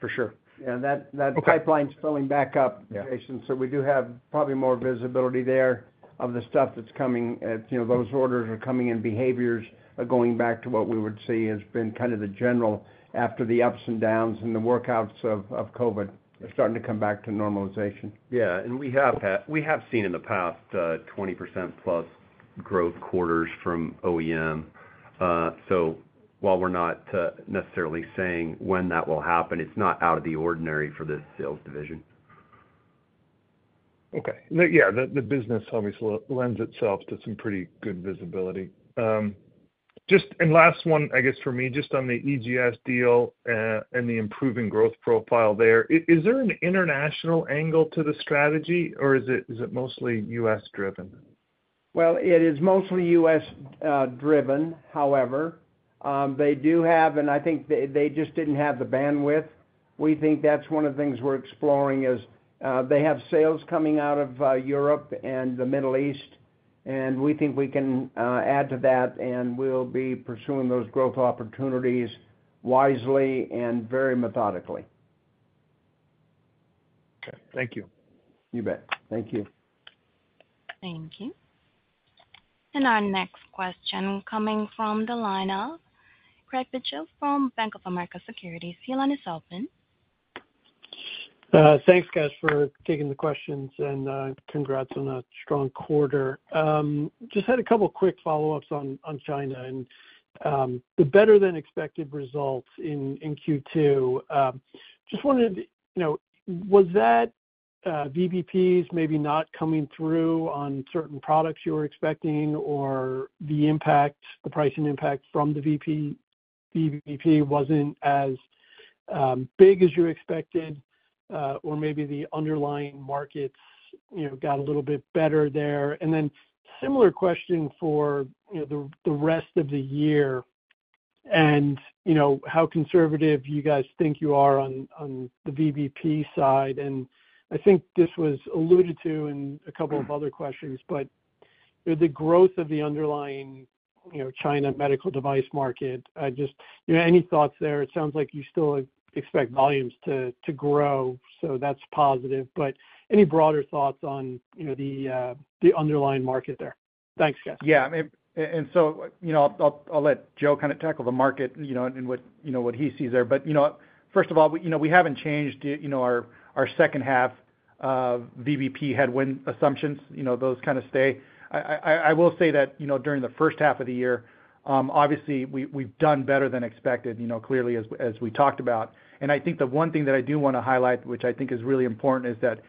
for sure.
Yeah, that, that pipeline's filling back up, Jason.
Yeah.
So we do have probably more visibility there of the stuff that's coming. As, you know, those orders are coming in, behaviors are going back to what we would see has been kind of the general after the ups and downs and the workouts of COVID are starting to come back to normalization.
Yeah, and we have seen in the past 20%+ growth quarters from OEM. So while we're not necessarily saying when that will happen, it's not out of the ordinary for this sales division.
Okay. Yeah, the business obviously lends itself to some pretty good visibility. Just, and last one, I guess, for me, just on the EGS deal, and the improving growth profile there. Is there an international angle to the strategy, or is it mostly US-driven?
Well, it is mostly U.S. driven. However, they do have, and I think they, they just didn't have the bandwidth. We think that's one of the things we're exploring is they have sales coming out of Europe and the Middle East, and we think we can add to that, and we'll be pursuing those growth opportunities wisely and very methodically.
Okay, thank you.
You bet. Thank you.
Thank you. Our next question coming from the line of Craig Bijou from Bank of America Securities. Your line is open.
Thanks, guys, for taking the questions, and congrats on a strong quarter. Just had a couple quick follow-ups on, on China and the better than expected results in Q2. Just wanted to know, was that VBP's maybe not coming through on certain products you were expecting, or the impact, the pricing impact from the VBP wasn't as big as you expected, or maybe the underlying markets, you know, got a little bit better there? And then similar question for, you know, the rest of the year, and, you know, how conservative you guys think you are on the VBP side. And I think this was alluded to in a couple of other questions, but with the growth of the underlying, you know, China medical device market, just, you know, any thoughts there? It sounds like you still expect volumes to grow, so that's positive. But any broader thoughts on, you know, the underlying market there? Thanks, guys.
Yeah. And so, you know, I'll let Joe kind of tackle the market, you know, and what, you know, what he sees there. But, you know, first of all, we, you know, we haven't changed, you know, our second half VBP headwind assumptions, you know, those kind of stay. I will say that, you know, during the first half of the year, obviously, we, we've done better than expected, you know, clearly, as we, as we talked about. And I think the one thing that I do want to highlight, which I think is really important, is that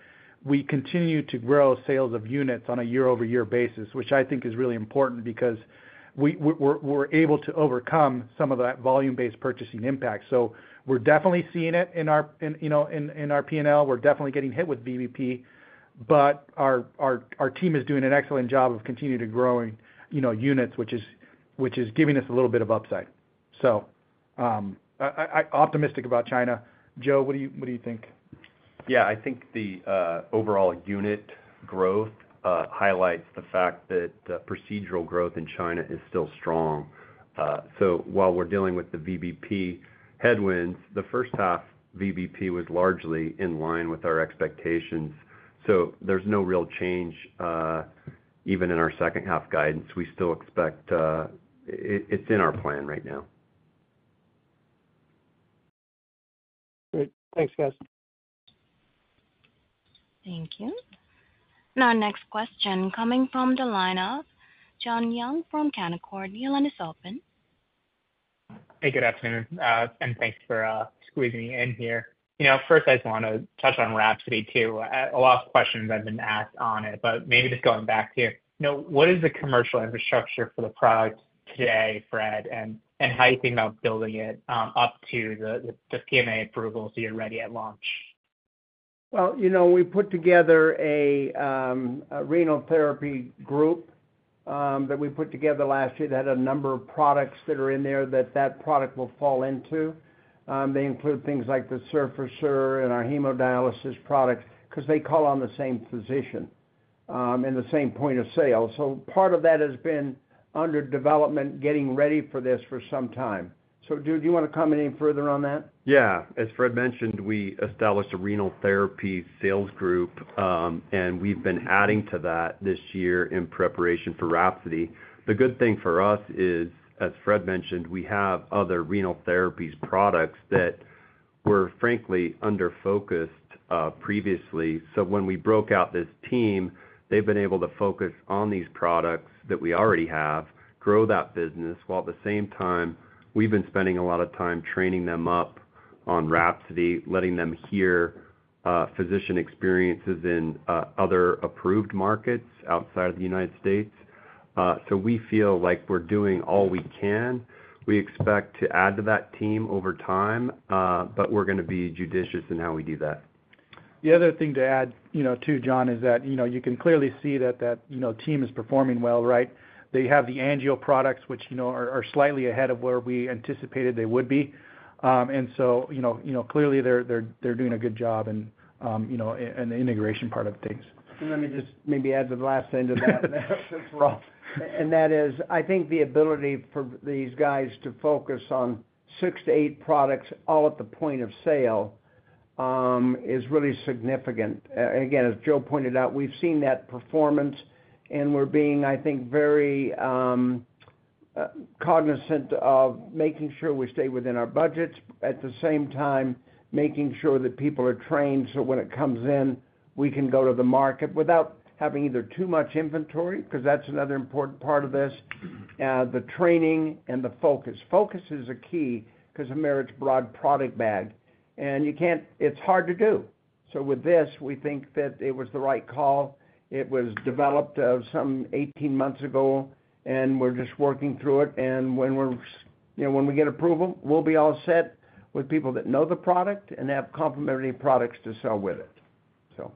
we continue to grow sales of units on a year-over-year basis, which I think is really important because we, we're able to overcome some of that volume-based purchasing impact. So we're definitely seeing it in our, you know, in our P&L. We're definitely getting hit with VBP, but our team is doing an excellent job of continuing to growing, you know, units, which is giving us a little bit of upside. So, I'm optimistic about China. Joe, what do you think?
Yeah, I think the overall unit growth highlights the fact that procedural growth in China is still strong. So while we're dealing with the VBP headwinds, the first half VBP was largely in line with our expectations, so there's no real change even in our second half guidance. We still expect... It, it's in our plan right now.
Great. Thanks, guys.
Thank you. Now, next question coming from the line of John Young from Canaccord. Your line is open.
Hey, good afternoon, and thanks for squeezing me in here. You know, first, I just wanna touch on WRAPSODY, too. A lot of questions have been asked on it, but maybe just going back to, you know, what is the commercial infrastructure for the product today, Fred? And how are you thinking about building it up to the PMA approval, so you're ready at launch?
Well, you know, we put together a renal therapy group that we put together last year that had a number of products that are in there that that product will fall into. They include things like the Surfacer and our hemodialysis product, 'cause they call on the same physician and the same point of sale. So part of that has been under development, getting ready for this for some time. So Joe, do you want to comment any further on that?
Yeah. As Fred mentioned, we established a renal therapy sales group, and we've been adding to that this year in preparation for Rhapsody. The good thing for us is, as Fred mentioned, we have other renal therapies products that were, frankly, under focused, previously. So when we broke out this team, they've been able to focus on these products that we already have, grow that business, while at the same time, we've been spending a lot of time training them up on Rhapsody, letting them hear, physician experiences in, other approved markets outside of the United States. So we feel like we're doing all we can. We expect to add to that team over time, but we're gonna be judicious in how we do that.
The other thing to add, you know, too, John, is that, you know, you can clearly see that that team is performing well, right? They have the angio products, which, you know, are slightly ahead of where we anticipated they would be. And so, you know, clearly, they're doing a good job and, you know, in the integration part of things.
Let me just maybe add the last thing to that. And that is, I think the ability for these guys to focus on six to eight products, all at the point of sale, is really significant. Again, as Joe pointed out, we've seen that performance, and we're being, I think, very cognizant of making sure we stay within our budgets, at the same time, making sure that people are trained, so when it comes in, we can go to the market without having either too much inventory, 'cause that's another important part of this, the training and the focus. Focus is a key 'cause of Merit's broad product bag, and you can't... It's hard to do. So with this, we think that it was the right call. It was developed some 18 months ago, and we're just working through it, and when we're, you know, when we get approval, we'll be all set with people that know the product and have complementary products to sell with it, so.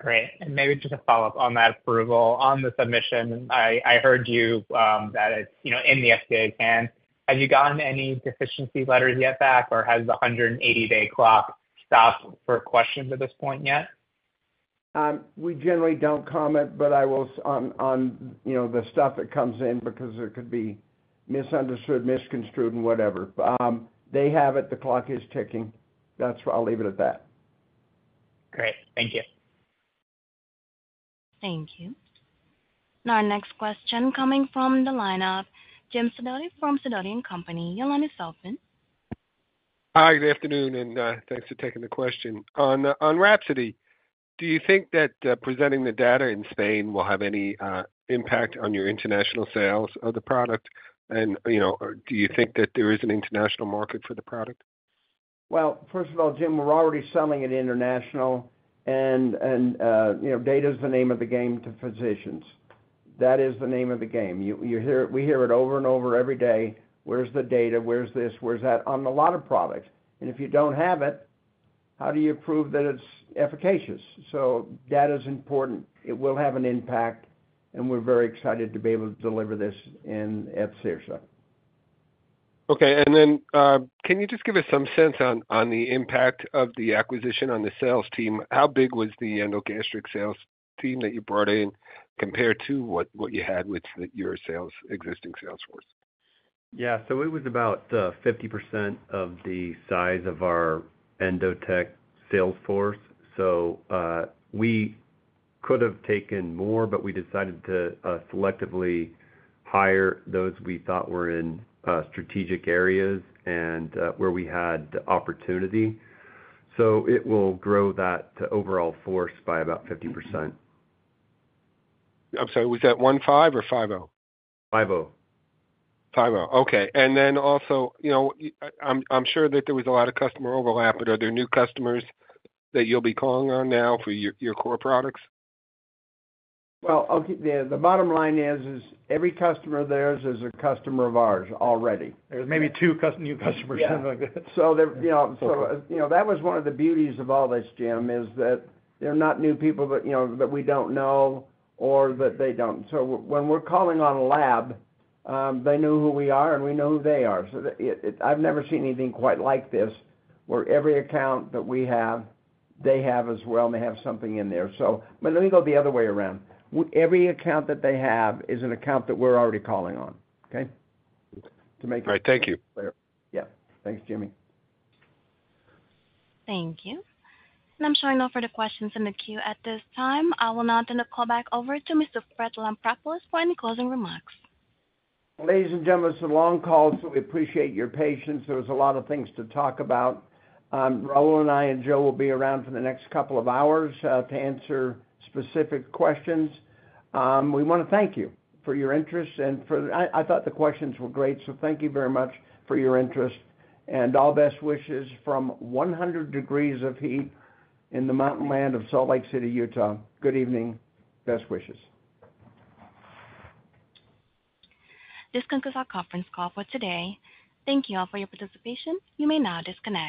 Great. And maybe just a follow-up on that approval. On the submission, I heard you that it's, you know, in the FDA hands. Have you gotten any deficiency letters yet back, or has the 180-day clock stopped for questions at this point yet?
We generally don't comment, but I will on you know, the stuff that comes in because it could be misunderstood, misconstrued, and whatever. They have it, the clock is ticking. That's where I'll leave it at that.
Great. Thank you.
Thank you. Now, our next question coming from the line of Jim Sidoti from Sidoti & Company.Your line is open.
Hi, good afternoon, and thanks for taking the question. On Rhapsody, do you think that presenting the data in Spain will have any impact on your international sales of the product? And, you know, do you think that there is an international market for the product?
Well, first of all, Jim, we're already selling it international, and, you know, data is the name of the game to physicians. That is the name of the game. You hear it—we hear it over and over every day. Where's the data? Where's this? Where's that? On a lot of products. And if you don't have it, how do you prove that it's efficacious? So data's important. It will have an impact, and we're very excited to be able to deliver this at CIRSE.
Okay. And then, can you just give us some sense on the impact of the acquisition on the sales team? How big was the EndoGastric sales team that you brought in compared to what you had with your existing sales force?
Yeah, so it was about 50% of the size of our Endotek sales force. So we could have taken more, but we decided to selectively hire those we thought were in strategic areas and where we had the opportunity. So it will grow that overall force by about 50%.
I'm sorry, was that 15 or 50?
Five-oh.
50. Okay. And then also, you know, I'm sure that there was a lot of customer overlap, but are there new customers that you'll be calling on now for your core products?
Well, I'll keep... The bottom line is every customer of theirs is a customer of ours already.
There's maybe two new customers.
Yeah. So there, you know, so, you know, that was one of the beauties of all this, Jim, is that they're not new people that, you know, that we don't know or that they don't. So when we're calling on a lab, they know who we are, and we know who they are. So it, it... I've never seen anything quite like this, where every account that we have, they have as well, and they have something in there. So but let me go the other way around. Every account that they have is an account that we're already calling on. Okay? To make-
All right. Thank you.
Yeah. Thanks, Jimmy.
Thank you. I'm showing no further questions in the queue at this time. I will now turn the call back over to Mr. Fred Lampropoulos for any closing remarks.
Ladies and gentlemen, it's a long call, so we appreciate your patience. There was a lot of things to talk about. Rahul and I and Joe will be around for the next couple of hours to answer specific questions. We wanna thank you for your interest and for the... I thought the questions were great, so thank you very much for your interest, and all best wishes from 100 degrees of heat in the mountain land of Salt Lake City, Utah. Good evening. Best wishes.
This concludes our conference call for today. Thank you all for your participation. You may now disconnect.